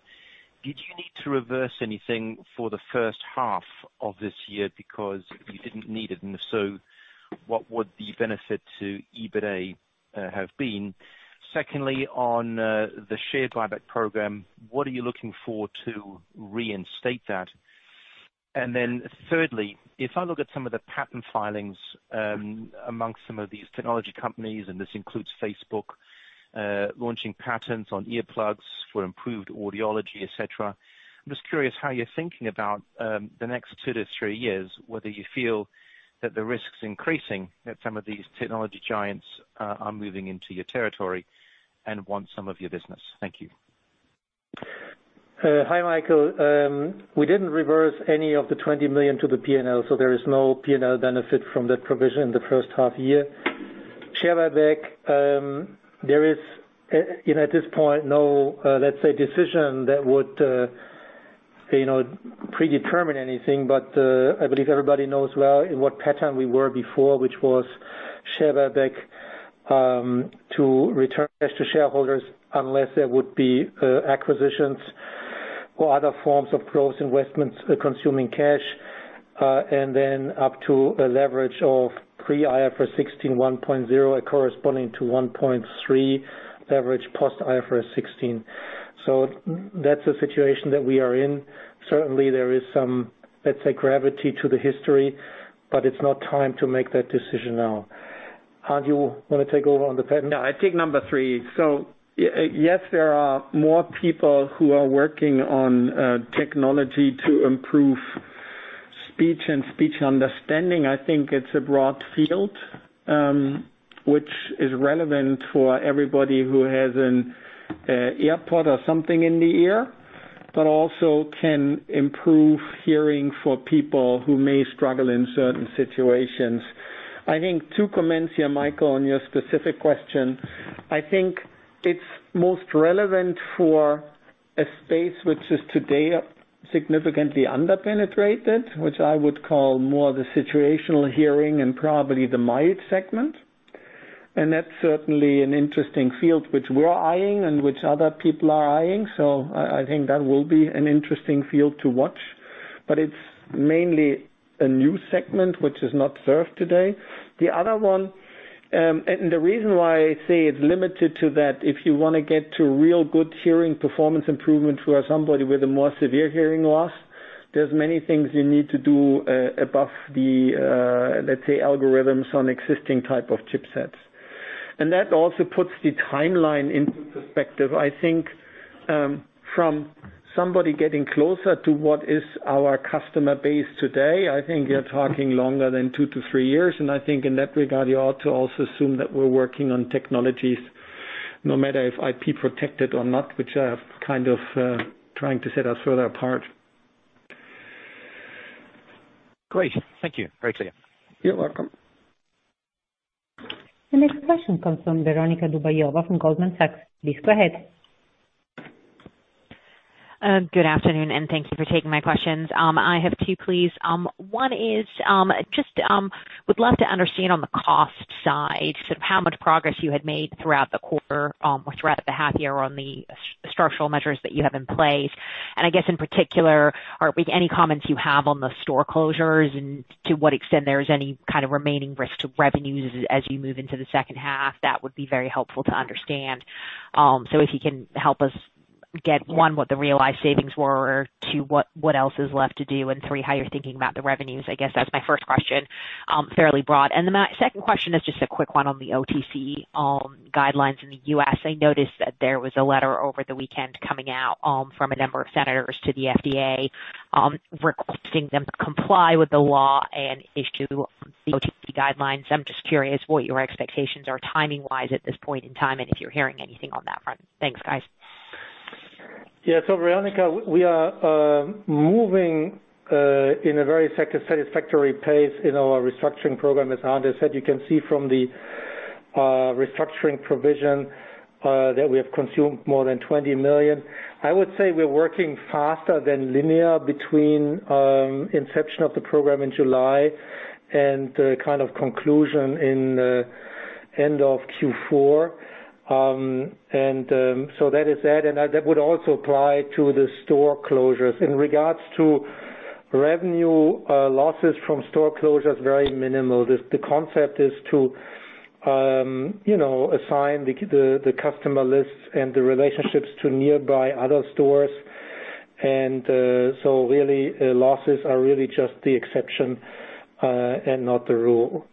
did you need to reverse anything for the first half of this year because you didn't need it? If so, what would the benefit to EBITDA have been? Secondly, on the share buyback program, what are you looking for to reinstate that? Then thirdly, if I look at some of the patent filings amongst some of these technology companies, this includes Facebook launching patents on earplugs for improved audiology, et cetera. I'm just curious how you're thinking about the next two to three years, whether you feel that the risk's increasing that some of these technology giants are moving into your territory and want some of your business. Thank you. Hi, Michael. We didn't reverse any of the 20 million to the P&L, there is no P&L benefit from that provision in the first half year. Share buyback, there is, at this point, no, let's say, decision that would predetermine anything. I believe everybody knows well in what pattern we were before, which was share buyback to return cash to shareholders unless there would be acquisitions or other forms of growth investments consuming cash, and then up to a leverage of pre-IFRS 16 1.0 corresponding to 1.3 leverage post IFRS 16. That's the situation that we are in. There is some, let's say, gravity to the history, it's not time to make that decision now. Arnd, you want to take over on the patent? I take number three. Yes, there are more people who are working on technology to improve speech and speech understanding. I think it's a broad field which is relevant for everybody who has an AirPods or something in the ear, but also can improve hearing for people who may struggle in certain situations. I think two comments here, Michael, on your specific question. I think it's most relevant for a space which is today significantly under-penetrated, which I would call more the situational hearing and probably the mild segment. That's certainly an interesting field which we're eyeing and which other people are eyeing. I think that will be an interesting field to watch, but it's mainly a new segment which is not served today. The other one, and the reason why I say it's limited to that, if you want to get to real good hearing performance improvement for somebody with a more severe hearing loss, there's many things you need to do above the, let's say, algorithms on existing type of chipsets. That also puts the timeline into perspective. I think from somebody getting closer to what is our customer base today, I think you're talking longer than two to three years. I think in that regard, you ought to also assume that we're working on technologies no matter if IP protected or not, which are kind of trying to set us further apart. Great. Thank you. Very clear. You're welcome. The next question comes from Veronika Dubajova from Goldman Sachs. Please go ahead. Good afternoon, and thank you for taking my questions. I have two, please. One is just would love to understand on the cost side, sort of how much progress you had made throughout the quarter or throughout the half year on the structural measures that you have in place. I guess in particular, Arnd, any comments you have on the store closures and to what extent there is any kind of remaining risk to revenues as you move into the second half? That would be very helpful to understand. If you can help us get, one, what the realized savings were, or two, what else is left to do, and three, how you're thinking about the revenues. I guess that's my first question, fairly broad. The second question is just a quick one on the OTC guidelines in the U.S. I noticed that there was a letter over the weekend coming out from a number of senators to the FDA, requesting them to comply with the law and issue the OTC guidelines. I'm just curious what your expectations are timing-wise at this point in time and if you're hearing anything on that front? Thanks, guys. Yeah. Veronika, we are moving in a very satisfactory pace in our restructuring program. As Arnd has said, you can see from the restructuring provision that we have consumed more than 20 million. I would say we're working faster than linear between inception of the program in July and kind of conclusion in end of Q4. That is that, and that would also apply to the store closures. In regards to revenue losses from store closures, very minimal. The concept is to assign the customer lists and the relationships to nearby other stores. Really, losses are really just the exception and not the rule.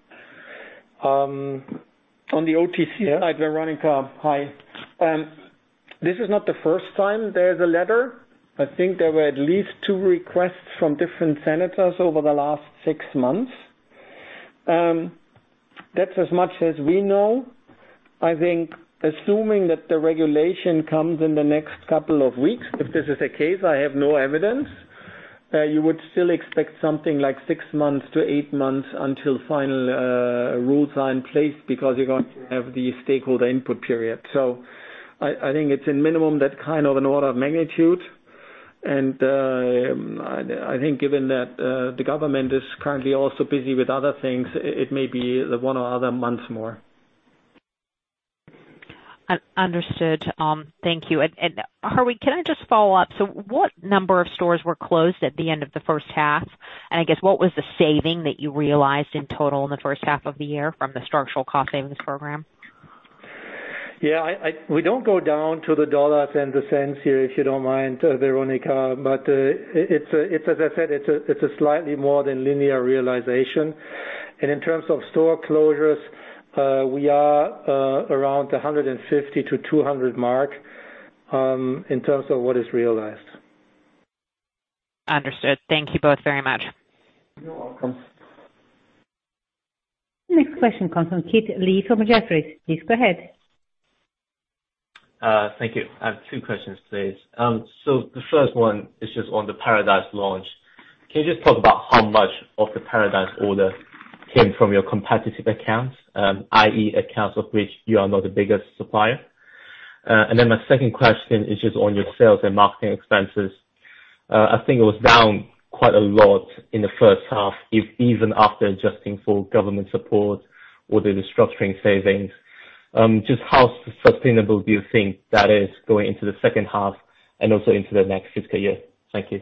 On the OTC side, Veronika, hi. This is not the first time there's a letter. I think there were at least two requests from different senators over the last six months. That's as much as we know. I think assuming that the regulation comes in the next couple of weeks, if this is the case, I have no evidence, you would still expect something like six months to eight months until final rules are in place because you're going to have the stakeholder input period. I think it's in minimum that kind of an order of magnitude. I think given that the government is currently also busy with other things, it may be one or other months more. Understood. Thank you. Hartwig, can I just follow up? What number of stores were closed at the end of the first half? I guess what was the saving that you realized in total in the first half of the year from the structural cost savings program? Yeah. We don't go down to the dollars and the cents here, if you don't mind, Veronika. As I said, it's a slightly more than linear realization. In terms of store closures, we are around the 150-200 mark in terms of what is realized. Understood. Thank you both very much. You're welcome. Next question comes from Kit Lee from Jefferies. Please go ahead. Thank you. I have two questions, please. The first one is just on the Paradise launch. Can you just talk about how much of the Paradise order came from your competitive accounts? I.e., accounts of which you are not the biggest supplier. My second question is just on your sales and marketing expenses. I think it was down quite a lot in the first half, even after adjusting for government support or the restructuring savings. How sustainable do you think that is going into the second half, and also into the next fiscal year? Thank you.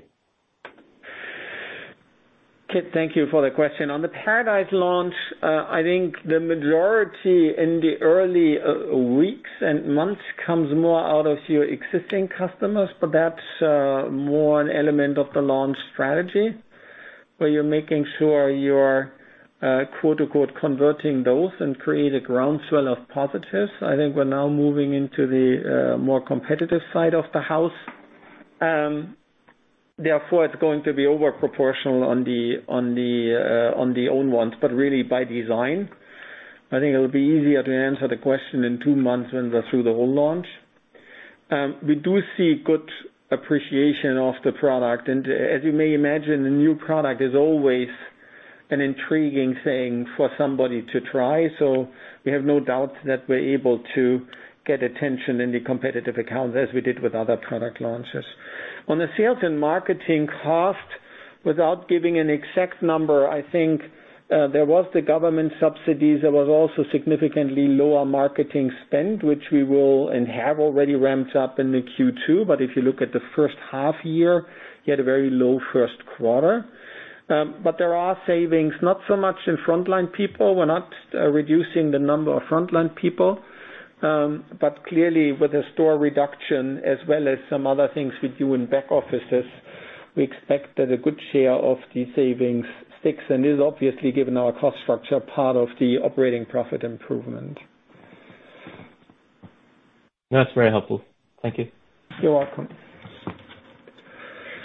Kit, thank you for the question. On the Paradise launch, I think the majority in the early weeks and months comes more out of your existing customers, but that's more an element of the launch strategy, where you're making sure you're converting those and create a groundswell of positives. I think we're now moving into the more competitive side of the house. Therefore, it's going to be over proportional on the own ones, but really by design. I think it'll be easier to answer the question in two months when we're through the whole launch. We do see good appreciation of the product. As you may imagine, a new product is always an intriguing thing for somebody to try. We have no doubt that we're able to get attention in the competitive accounts as we did with other product launches. On the sales and marketing cost, without giving an exact number, I think there was the government subsidies. There was also significantly lower marketing spend, which we will and have already ramped up in the Q2. If you look at the first half year, you had a very low first quarter. There are savings, not so much in frontline people. We're not reducing the number of frontline people. Clearly with a store reduction as well as some other things we do in back offices, we expect that a good share of the savings sticks and is obviously, given our cost structure, part of the operating profit improvement. That's very helpful. Thank you. You're welcome.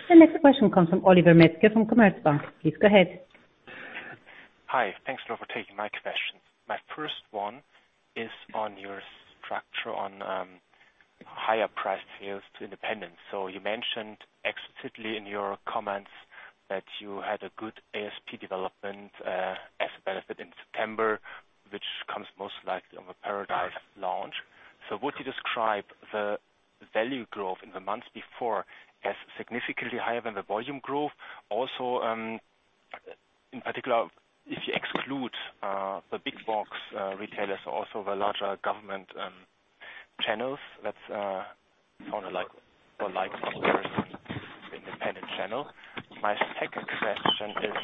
The next question comes from Oliver Metzger from Commerzbank. Please go ahead. Hi. Thanks a lot for taking my questions. My first one is on your structure on higher priced sales to independents. You mentioned explicitly in your comments that you had a good ASP development as a benefit in September, which comes most likely on the Paradise launch. Would you describe the value growth in the months before as significantly higher than the volume growth? Also, in particular, if you exclude the big box retailers, also the larger government channels, that's sort of like the independent channel. My second question is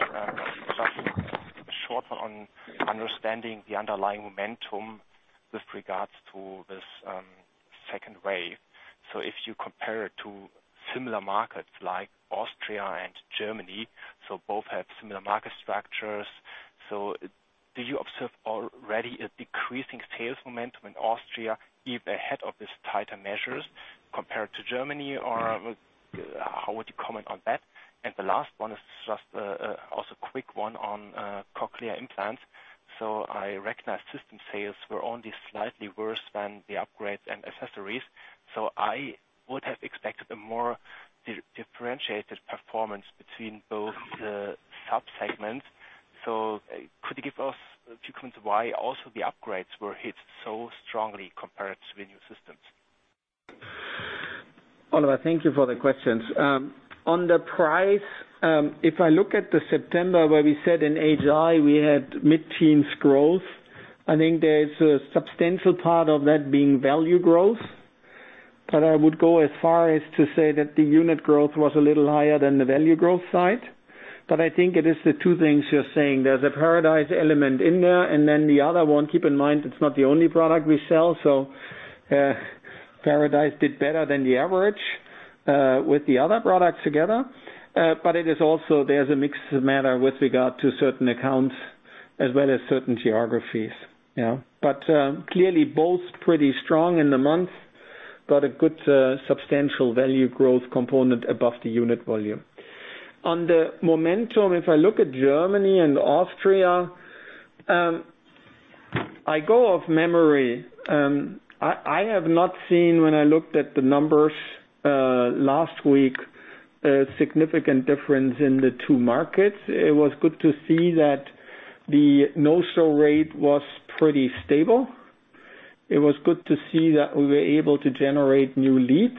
just a short one on understanding the underlying momentum with regards to this second wave. If you compare it to similar markets like Austria and Germany, so both have similar market structures. Do you observe already a decreasing sales momentum in Austria, even ahead of this tighter measures compared to Germany, or how would you comment on that? The last one is just also a quick one on Cochlear implants. I recognize system sales were only slightly worse than the upgrades and accessories. I would have expected a more differentiated performance between both the sub-segments. Could you give us a few comments why also the upgrades were hit so strongly compared to the new systems? Oliver, thank you for the questions. On the price, if I look at the September where we said in HI, we had mid-teens growth, I think there's a substantial part of that being value growth. I would go as far as to say that the unit growth was a little higher than the value growth side. I think it is the two things you're saying. There's a Paradise element in there, and then the other one, keep in mind, it's not the only product we sell. Paradise did better than the average with the other products together. It is also, there's a mixed matter with regard to certain accounts as well as certain geographies. Clearly both pretty strong in the month, but a good substantial value growth component above the unit volume. On the momentum, if I look at Germany and Austria, I go off memory. I have not seen, when I looked at the numbers last week, a significant difference in the two markets. It was good to see that the no-show rate was pretty stable. It was good to see that we were able to generate new leads.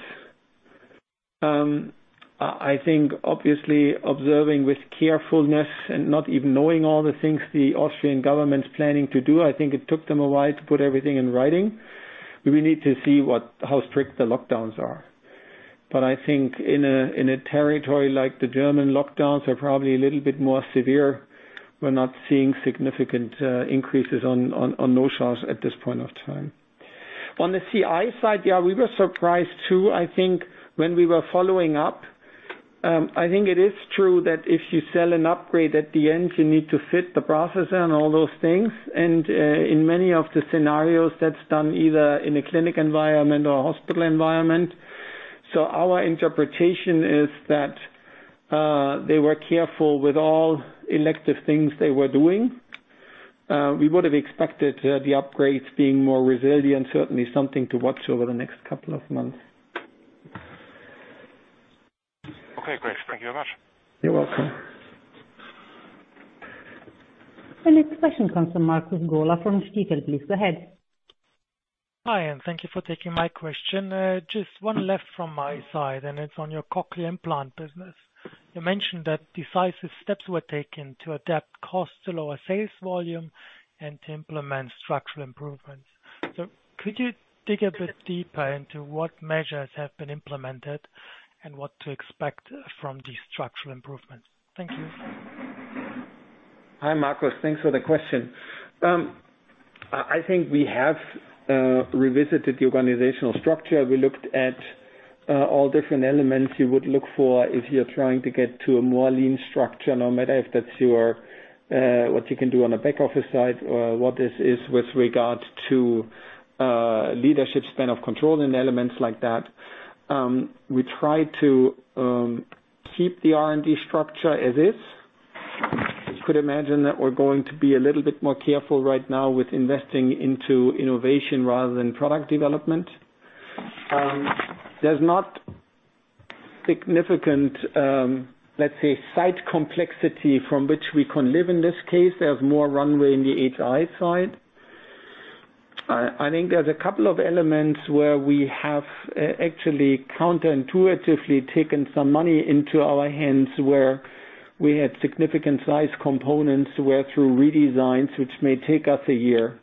I think obviously observing with carefulness and not even knowing all the things the Austrian government's planning to do, I think it took them a while to put everything in writing. We need to see how strict the lockdowns are. I think in a territory like the German lockdowns are probably a little bit more severe. We're not seeing significant increases on no-shows at this point of time. On the CI side, yeah, we were surprised too, I think, when we were following up. I think it is true that if you sell an upgrade at the end, you need to fit the processor and all those things, and in many of the scenarios, that's done either in a clinic environment or a hospital environment. Our interpretation is that. They were careful with all elective things they were doing. We would have expected the upgrades being more resilient, certainly something to watch over the next couple of months. Okay, great. Thank you very much. You're welcome. The next question comes from Markus Gola from Stifel. Please, go ahead. Hi, and thank you for taking my question. Just one left from my side, and it's on your Cochlear implant business. You mentioned that decisive steps were taken to adapt cost to lower sales volume and to implement structural improvements. Could you dig a bit deeper into what measures have been implemented and what to expect from these structural improvements? Thank you. Hi, Markus. Thanks for the question. I think we have revisited the organizational structure. We looked at all different elements you would look for if you're trying to get to a more lean structure, no matter if that's what you can do on a back-office side or what this is with regard to leadership span of control and elements like that. We try to keep the R&D structure as is. You could imagine that we're going to be a little bit more careful right now with investing into innovation rather than product development. There's not significant, let's say, site complexity from which we can live in this case. There's more runway in the HI side. I think there's a couple of elements where we have actually counterintuitively taken some money into our hands where we had significant size components where through redesigns, which may take us a year,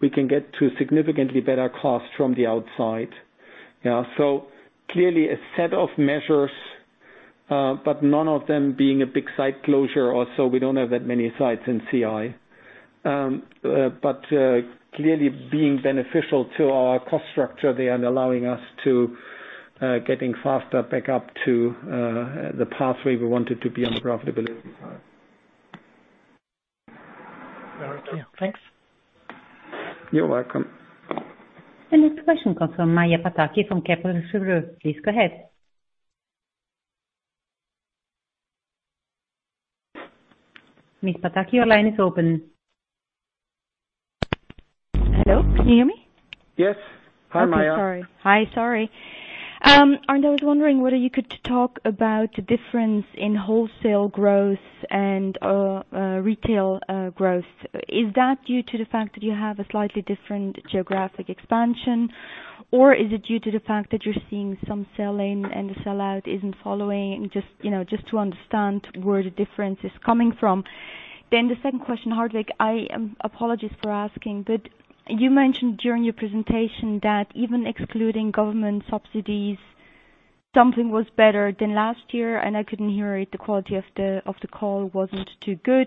we can get to significantly better cost from the outside. Yeah, clearly a set of measures, but none of them being a big site closure or so we don't have that many sites in CI. Clearly being beneficial to our cost structure there and allowing us to getting faster back up to the pathway we wanted to be on the profitability side. All right. Thanks. You're welcome. The next question comes from Maja Pataki from Kepler Cheuvreux. Please go ahead. Ms. Pataki, your line is open. Hello, can you hear me? Yes. Hi, Maja. Okay, sorry. Hi, sorry. I was wondering whether you could talk about the difference in wholesale growth and retail growth. Is that due to the fact that you have a slightly different geographic expansion? Is it due to the fact that you're seeing some sell-in and the sell-out isn't following? Just to understand where the difference is coming from. The second question, Hartwig, apologies for asking, but you mentioned during your presentation that even excluding government subsidies, something was better than last year, and I couldn't hear it. The quality of the call wasn't too good.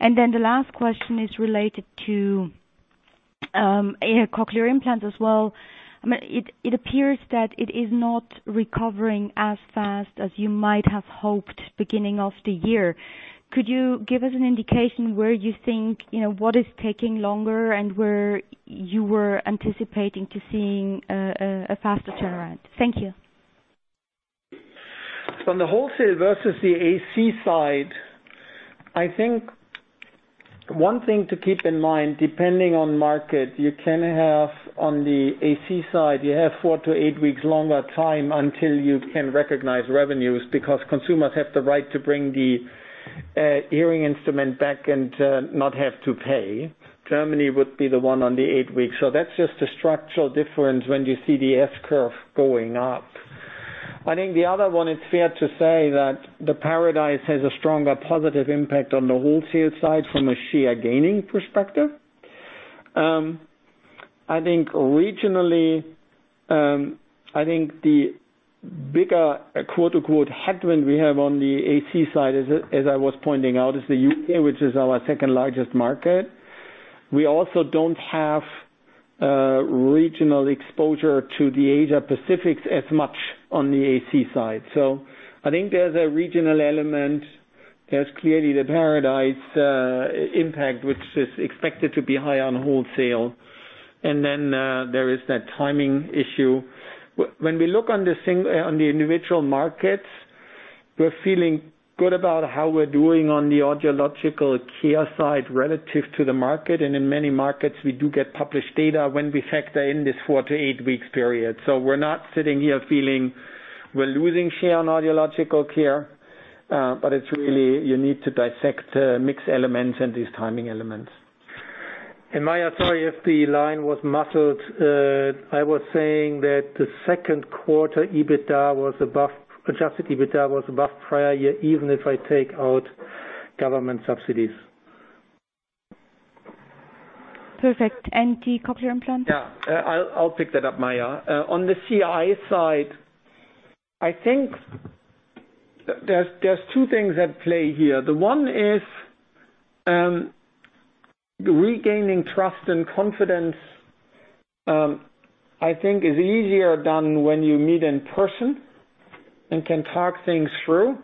The last question is related to Cochlear implants as well. It appears that it is not recovering as fast as you might have hoped beginning of the year. Could you give us an indication where you think, what is taking longer and where you were anticipating to seeing a faster turnaround? Thank you. On the wholesale versus the AC side, I think one thing to keep in mind, depending on market, you can have on the AC side, you have four to eight weeks longer time until you can recognize revenues because consumers have the right to bring the hearing instrument back and not have to pay. Germany would be the one on the eight weeks. That's just a structural difference when you see the S-curve going up. I think the other one, it's fair to say that the Paradise has a stronger positive impact on the wholesale side from a sheer gaining perspective. I think regionally, I think the bigger "headwind" we have on the AC side, as I was pointing out, is the U.K., which is our second largest market. We also don't have regional exposure to the Asia Pacific as much on the AC side. I think there's a regional element. There's clearly the Paradise impact, which is expected to be high on wholesale, and then there is that timing issue. When we look on the individual markets, we're feeling good about how we're doing on the audiological care side relative to the market. In many markets, we do get published data when we factor in this four to eight weeks period. We're not sitting here feeling we're losing share on audiological care, but it's really you need to dissect mixed elements and these timing elements. Maja, sorry if the line was muffled. I was saying that the second quarter adjusted EBITDA was above prior year, even if I take out government subsidies. Perfect. The Cochlear implant? Yeah. I'll pick that up, Maja. On the CI side, I think there's two things at play here. The one is regaining trust and confidence, I think is easier done when you meet in person and can talk things through.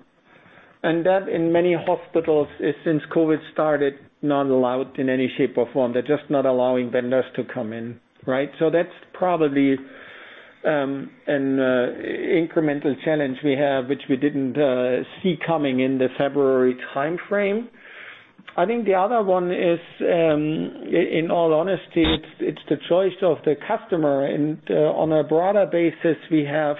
That in many hospitals, since COVID started, not allowed in any shape or form. They're just not allowing vendors to come in. Right? That's probably an incremental challenge we have, which we didn't see coming in the February timeframe. I think the other one is, in all honesty, it's the choice of the customer. On a broader basis, we have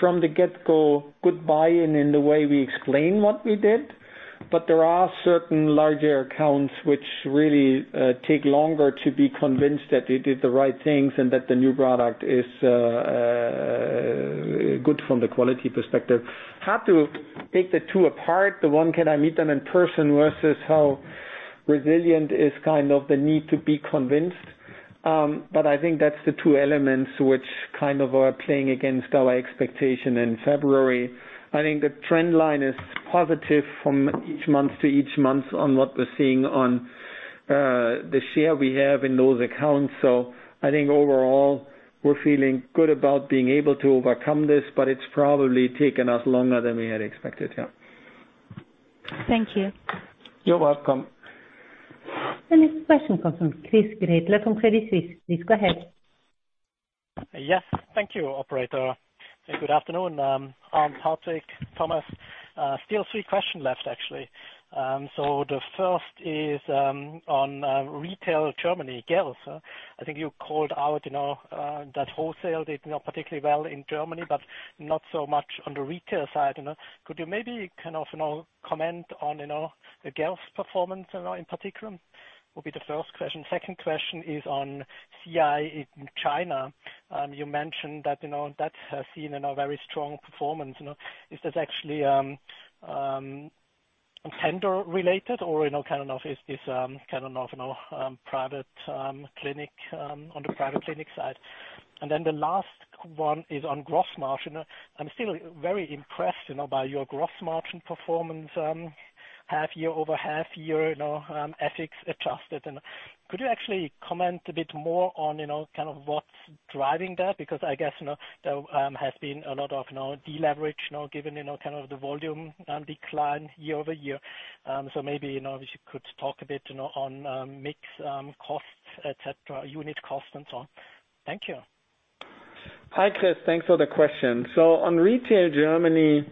from the get-go, good buy-in in the way we explain what we did. There are certain larger accounts which really take longer to be convinced that we did the right things and that the new product is good from the quality perspective. Hard to pick the two apart. The one, can I meet them in person versus how resilient is the need to be convinced. I think that's the two elements which are playing against our expectation in February. I think the trend line is positive from each month to each month on what we're seeing on the share we have in those accounts. I think overall, we're feeling good about being able to overcome this, but it's probably taken us longer than we had expected, yeah. Thank you. You're welcome. The next question comes from Chris Gretler from Credit Suisse. Please go ahead. Yes. Thank you, operator. Good afternoon, Arnd, Hartwig, Thomas. Still three questions left, actually. The first is on retail Germany, GEERS. I think you called out that wholesale did not particularly well in Germany, but not so much on the retail side. Could you maybe comment on the GEERS performance in particular? Will be the first question. Second question is on CI in China. You mentioned that's seen a very strong performance. Is this actually tender related or is this on the private clinic side? The last one is on gross margin. I'm still very impressed by your gross margin performance, over half year, FX adjusted. Could you actually comment a bit more on what's driving that? I guess there has been a lot of de-leverage now given the volume decline year-over-year. Maybe if you could talk a bit on mix costs, et cetera, unit cost and so on. Thank you. Hi, Chris. Thanks for the question. On retail Germany,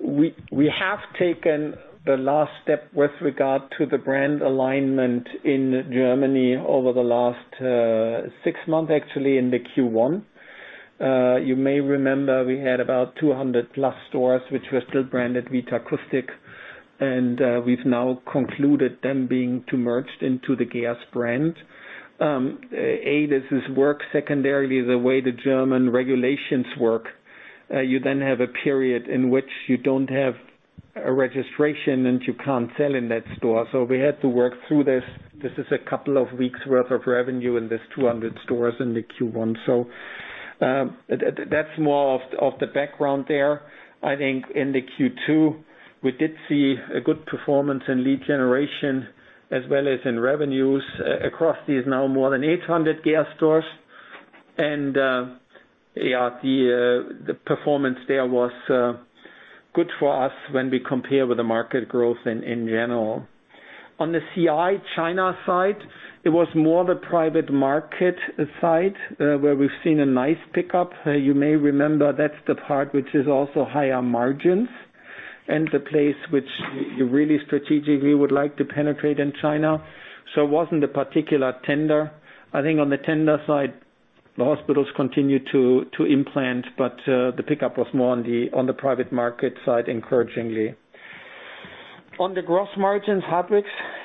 we have taken the last step with regard to the brand alignment in Germany over the last six months, actually in the Q1. You may remember we had about 200+ stores which were still branded Vitakustik, and we've now concluded them being merged into the GEERS brand. This is work secondarily, the way the German regulations work. You have a period in which you don't have a registration and you can't sell in that store. We had to work through this. This is a couple of weeks worth of revenue in these 200 stores in the Q1. That's more of the background there. I think in the Q2, we did see a good performance in lead generation as well as in revenues across these now more than 800 GEERS stores. The performance there was good for us when we compare with the market growth in general. On the CI China side, it was more the private market side, where we've seen a nice pickup. You may remember that's the part which is also higher margins and the place which we really strategically would like to penetrate in China. It wasn't a particular tender. I think on the tender side, the hospitals continued to implant, but the pickup was more on the private market side, encouragingly. On the gross margins, Hartwig,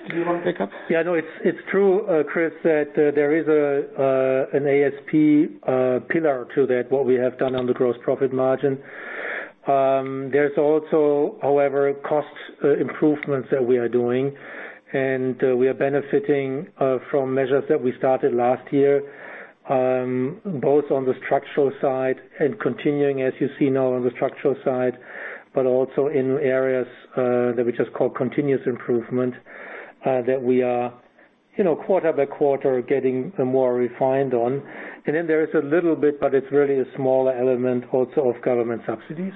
do you want to pick up? Yeah, no, it's true, Chris, that there is an ASP pillar to that, what we have done on the gross profit margin. There's also, however, cost improvements that we are doing, and we are benefiting from measures that we started last year, both on the structural side and continuing, as you see now on the structural side, but also in areas that we just call continuous improvement, that we are quarter by quarter getting more refined on. There is a little bit, but it's really a small element also of government subsidies.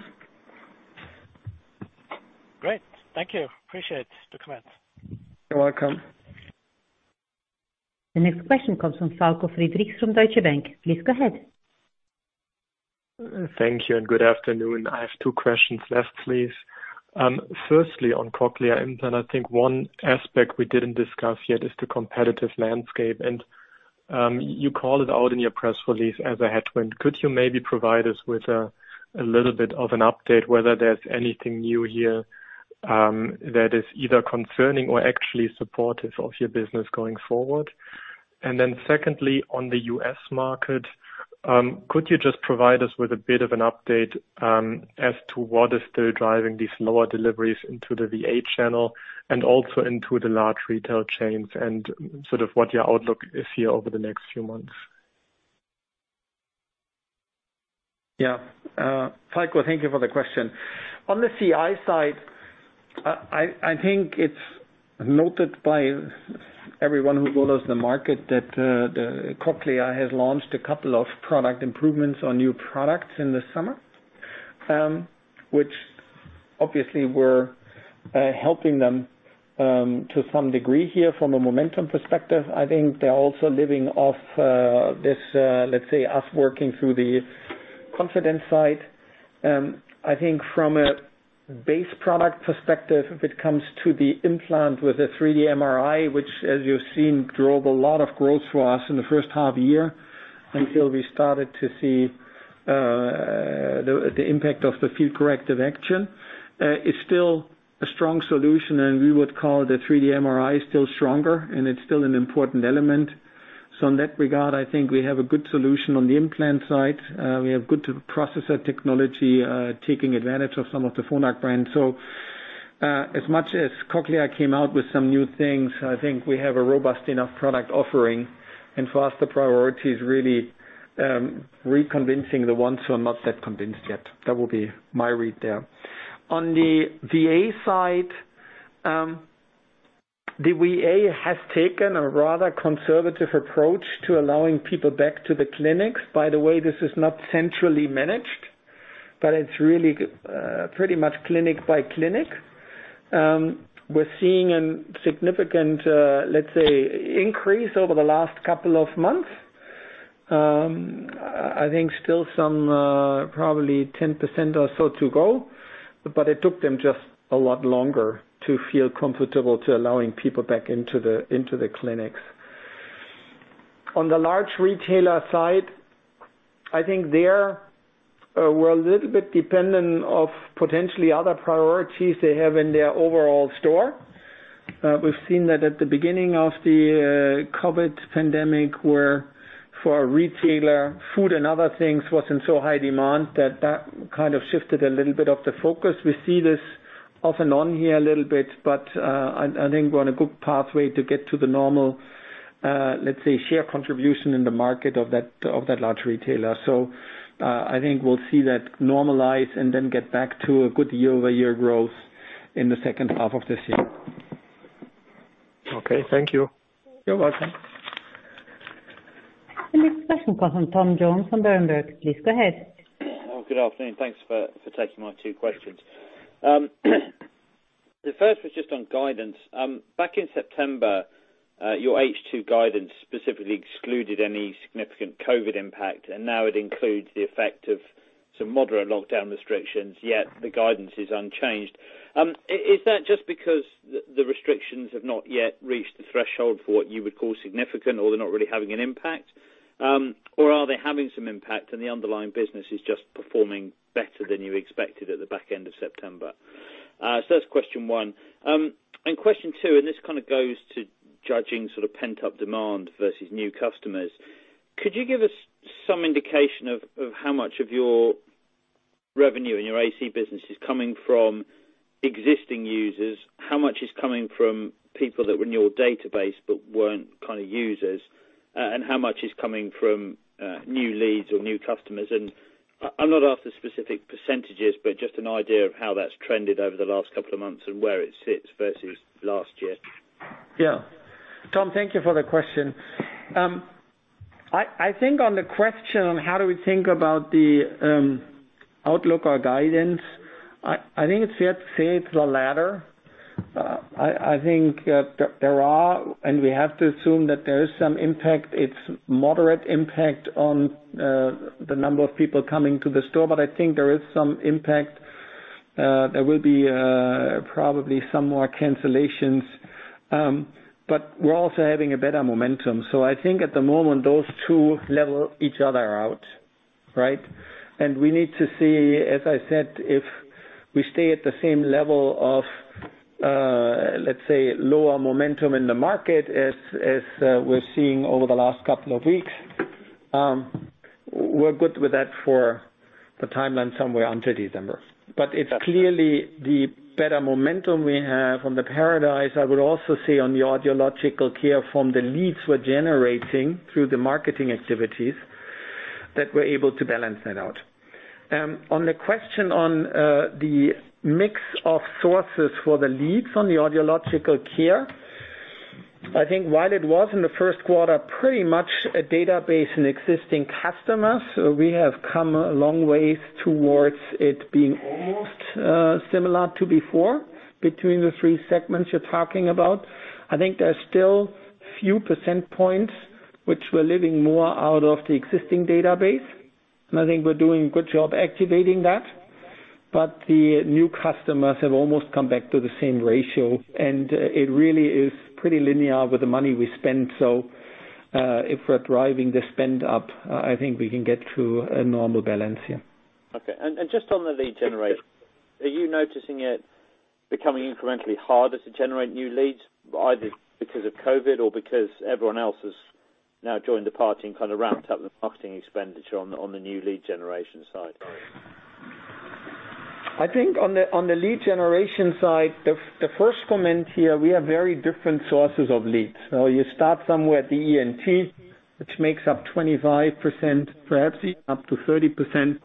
Great. Thank you. Appreciate the comments. You're welcome. The next question comes from Falko Friedrichs from Deutsche Bank. Please go ahead. Thank you and good afternoon. I have two questions left, please. Firstly, on Cochlear implant, I think one aspect we didn't discuss yet is the competitive landscape, and you call it out in your press release as a headwind. Could you maybe provide us with a little bit of an update whether there's anything new here that is either concerning or actually supportive of your business going forward? Secondly, on the U.S. market, could you just provide us with a bit of an update as to what is still driving these lower deliveries into the VA channel and also into the large retail chains and sort of what your outlook is here over the next few months? Yeah. Falko, thank you for the question. On the CI side, I think it's noted by everyone who follows the market that Cochlear has launched a couple of product improvements on new products in the summer. Obviously we're helping them to some degree here from a momentum perspective. I think they're also living off this, let's say, us working through the confidence side. I think from a base product perspective, if it comes to the implant with a 3D MRI, which as you've seen, drove a lot of growth for us in the first half year until we started to see the impact of the field corrective action, is still a strong solution and we would call the 3D MRI still stronger and it's still an important element. In that regard, I think we have a good solution on the implant side. We have good processor technology, taking advantage of some of the Phonak brands. As much as Cochlear came out with some new things, I think we have a robust enough product offering and for us the priority is really reconvincing the ones who are not that convinced yet. That would be my read there. On the VA side, the VA has taken a rather conservative approach to allowing people back to the clinics. By the way, this is not centrally managed, but it's really pretty much clinic by clinic. We're seeing a significant, let's say, increase over the last couple of months. I think still some, probably 10% or so to go, but it took them just a lot longer to feel comfortable to allowing people back into the clinics. On the large retailer side, I think there we're a little bit dependent of potentially other priorities they have in their overall store. We've seen that at the beginning of the COVID pandemic where for a retailer, food and other things was in so high demand that that kind of shifted a little bit of the focus. We see this off and on here a little bit, but I think we're on a good pathway to get to the normal, let's say, share contribution in the market of that large retailer. I think we'll see that normalize and then get back to a good year-over-year growth in the second half of this year. Okay. Thank you. You're welcome. The next question comes from Tom Jones from Berenberg. Please go ahead. Good afternoon. Thanks for taking my two questions. The first was just on guidance. Back in September, your H2 guidance specifically excluded any significant COVID-19 impact, and now it includes the effect of some moderate lockdown restrictions, yet the guidance is unchanged. Is that just because the restrictions have not yet reached the threshold for what you would call significant or they're not really having an impact? Are they having some impact and the underlying business is just performing better than you expected at the back end of September? That's question one. Question two, and this kind of goes to judging sort of pent-up demand versus new customers. Could you give us some indication of how much of your revenue in your AC business is coming from existing users? How much is coming from people that were in your database but weren't kind of users? How much is coming from new leads or new customers? I'm not after specific percentages, but just an idea of how that has trended over the last couple of months and where it sits versus last year. Yeah. Tom, thank you for the question. I think on the question on how do we think about the outlook or guidance, I think it's fair to say it's the latter. I think that there are, and we have to assume that there is some impact. It's moderate impact on the number of people coming to the store, but I think there is some impact. There will be probably some more cancellations. We're also having a better momentum. I think at the moment, those two level each other out. Right? We need to see, as I said, if we stay at the same level of, let's say, lower momentum in the market as we're seeing over the last couple of weeks, we're good with that for the timeline somewhere until December. It's clearly the better momentum we have from the Paradise. I would also say on the audiological care from the leads we're generating through the marketing activities, that we're able to balance that out. On the question on the mix of sources for the leads on the audiological care, I think while it was in the first quarter pretty much a database and existing customers, we have come a long way towards it being almost similar to before between the three segments you're talking about. I think there's still a few percent points which we're living more out of the existing database, and I think we're doing a good job activating that. The new customers have almost come back to the same ratio, and it really is pretty linear with the money we spend. If we're driving the spend up, I think we can get to a normal balance here. Okay. Just on the lead generation, are you noticing it becoming incrementally harder to generate new leads, either because of COVID or because everyone else has now joined the party and kind of ramped up the marketing expenditure on the new lead generation side? I think on the lead generation side, the first comment here, we have very different sources of leads. You start somewhere at the ENT, which makes up 25%, perhaps even up to 30%.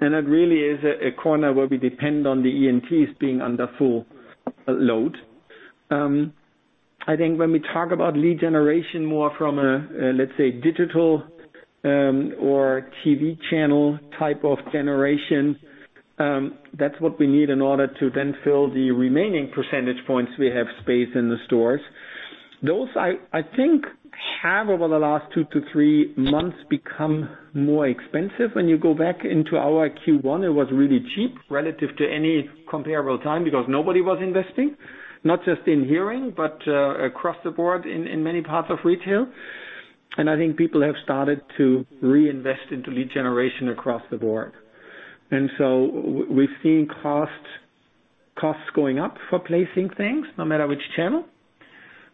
It really is a corner where we depend on the ENTs being under full load. I think when we talk about lead generation more from a, let's say, digital or TV channel type of generation, that's what we need in order to then fill the remaining percentage points we have space in the stores. Those, I think, have over the last two to three months become more expensive. When you go back into our Q1, it was really cheap relative to any comparable time because nobody was investing, not just in hearing, but across the board in many parts of retail. I think people have started to reinvest into lead generation across the board. We're seeing costs going up for placing things no matter which channel.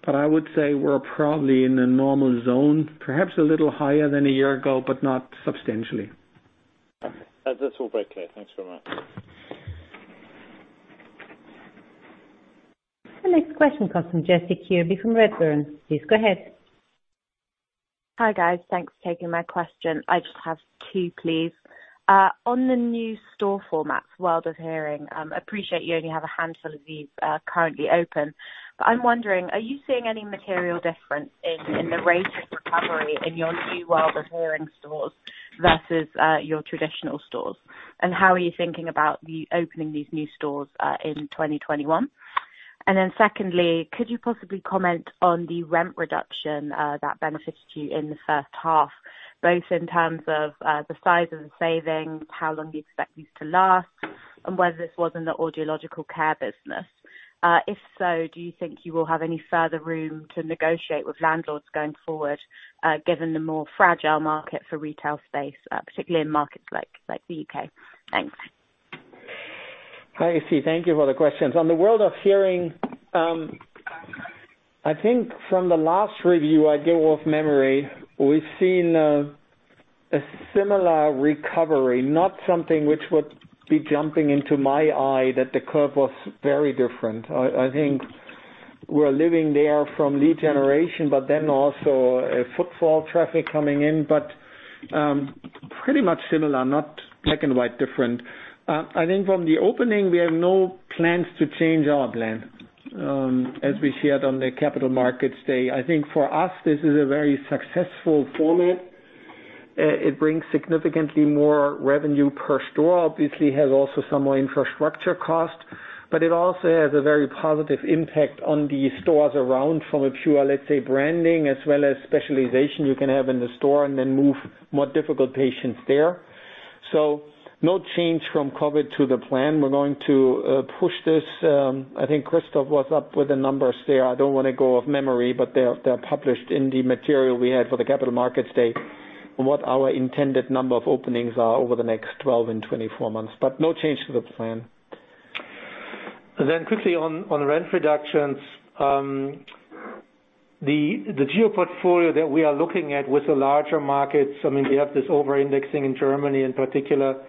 I would say we're probably in a normal zone, perhaps a little higher than a year ago, but not substantially. Okay. That's all very clear. Thanks very much. The next question comes from Issie Kirby from Redburn. Please go ahead. Hi, guys. Thanks for taking my question. I just have two, please. On the new store formats, World of Hearing, appreciate you only have a handful of these currently open. I'm wondering, are you seeing any material difference in the rate of recovery in your new World of Hearing stores versus your traditional stores? How are you thinking about opening these new stores, in 2021? Secondly, could you possibly comment on the rent reduction that benefited you in the first half, both in terms of the size of the savings, how long do you expect these to last, and whether this was in the Audiological Care business? If so, do you think you will have any further room to negotiate with landlords going forward, given the more fragile market for retail space, particularly in markets like the U.K.? Thanks. Hi, Issie. Thank you for the questions. On the World of Hearing, I think from the last review I give off memory, we've seen a similar recovery, not something which would be jumping into my eye that the curve was very different. I think we're living there from lead generation, but then also footfall traffic coming in, but pretty much similar, not black and white different. I think from the opening, we have no plans to change our plan. As we shared on the Capital Markets Day, I think for us, this is a very successful format. It brings significantly more revenue per store, obviously has also some more infrastructure cost, but it also has a very positive impact on the stores around from a pure, let's say, branding, as well as specialization you can have in the store and then move more difficult patients there. No change from COVID to the plan. We're going to push this. I think Christoph was up with the numbers there. I don't want to go off memory, but they're published in the material we had for the Capital Markets Day on what our intended number of openings are over the next 12 and 24 months. No change to the plan. Quickly on rent reductions. The geo portfolio that we are looking at with the larger markets, we have this over-indexing in Germany in particular,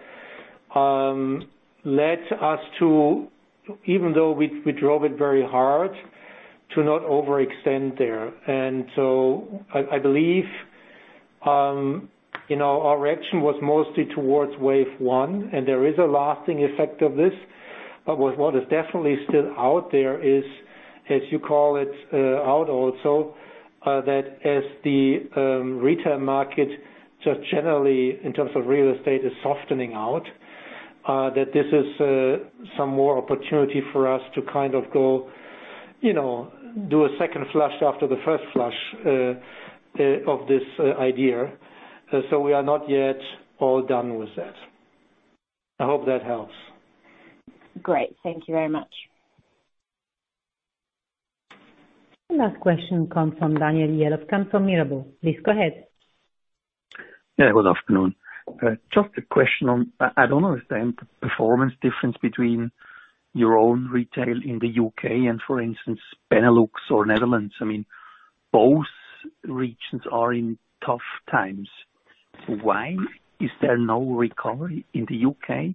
led us to, even though we drove it very hard, to not overextend there. I believe our reaction was mostly towards wave one, and there is a lasting effect of this. What is definitely still out there is, as you call it out also, that as the retail market just generally in terms of real estate is softening out, that this is some more opportunity for us to kind of go do a second flush after the first flush of this idea. We are not yet all done with that. I hope that helps. Great. Thank you very much. Last question comes from Daniel Jelovcan from Mirabaud. Please go ahead. Yeah, good afternoon. Just a question on, I don't understand the performance difference between your own retail in the U.K. and, for instance, Benelux or Netherlands. Both regions are in tough times. Why is there no recovery in the U.K.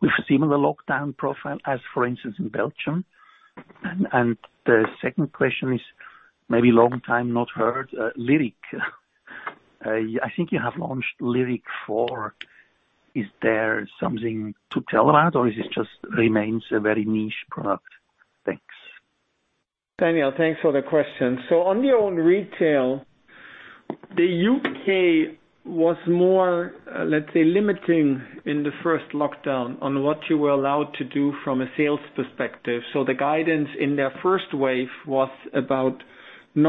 with a similar lockdown profile as, for instance, in Belgium? The second question is, maybe long time not heard, Lyric. I think you have launched Lyric 4. Is there something to tell about, or is it just remains a very niche product? Thanks. Daniel, thanks for the question. On your own retail, the U.K. was more, let's say, limiting in the first lockdown on what you were allowed to do from a sales perspective. You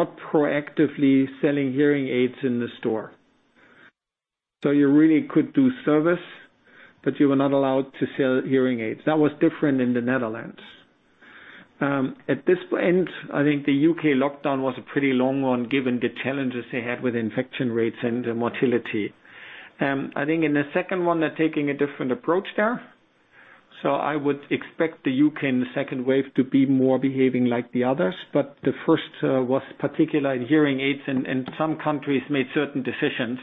really could do service, but you were not allowed to sell hearing aids. That was different in the Netherlands. At this end, I think the U.K. lockdown was a pretty long one given the challenges they had with infection rates and the mortality. I think in the second one, they're taking a different approach there. I would expect the U.K. in the second wave to be more behaving like the others. The first was particular in hearing aids, and some countries made certain decisions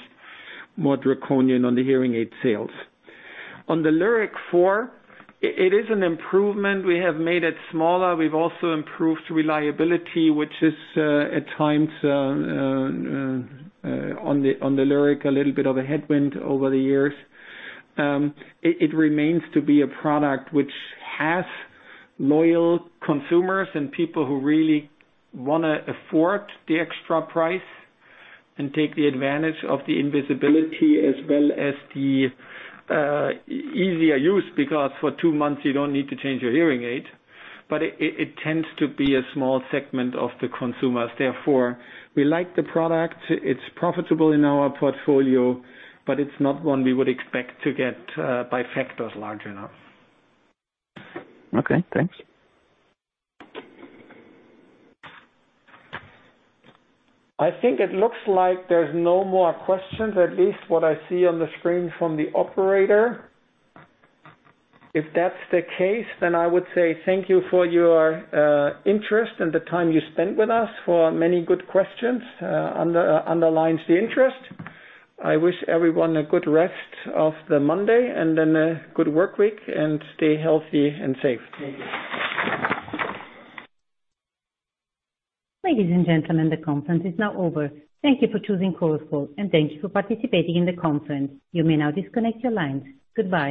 more draconian on the hearing aid sales. On the Lyric 4, it is an improvement. We have made it smaller. We've also improved reliability, which is at times on the Lyric, a little bit of a headwind over the years. It remains to be a product which has loyal consumers and people who really want to afford the extra price and take the advantage of the invisibility as well as the easier use, because for two months you don't need to change your hearing aid. It tends to be a small segment of the consumers. Therefore, we like the product. It's profitable in our portfolio, but it's not one we would expect to get by factors large enough. Okay, thanks. I think it looks like there's no more questions, at least what I see on the screen from the operator. If that's the case, I would say thank you for your interest and the time you spent with us for many good questions underlines the interest. I wish everyone a good rest of the Monday and then a good work week, and stay healthy and safe. Thank you. Ladies and gentlemen, the conference is now over. Thank you for choosing Chorus Call, and thank you for participating in the conference. You may now disconnect your lines. Goodbye.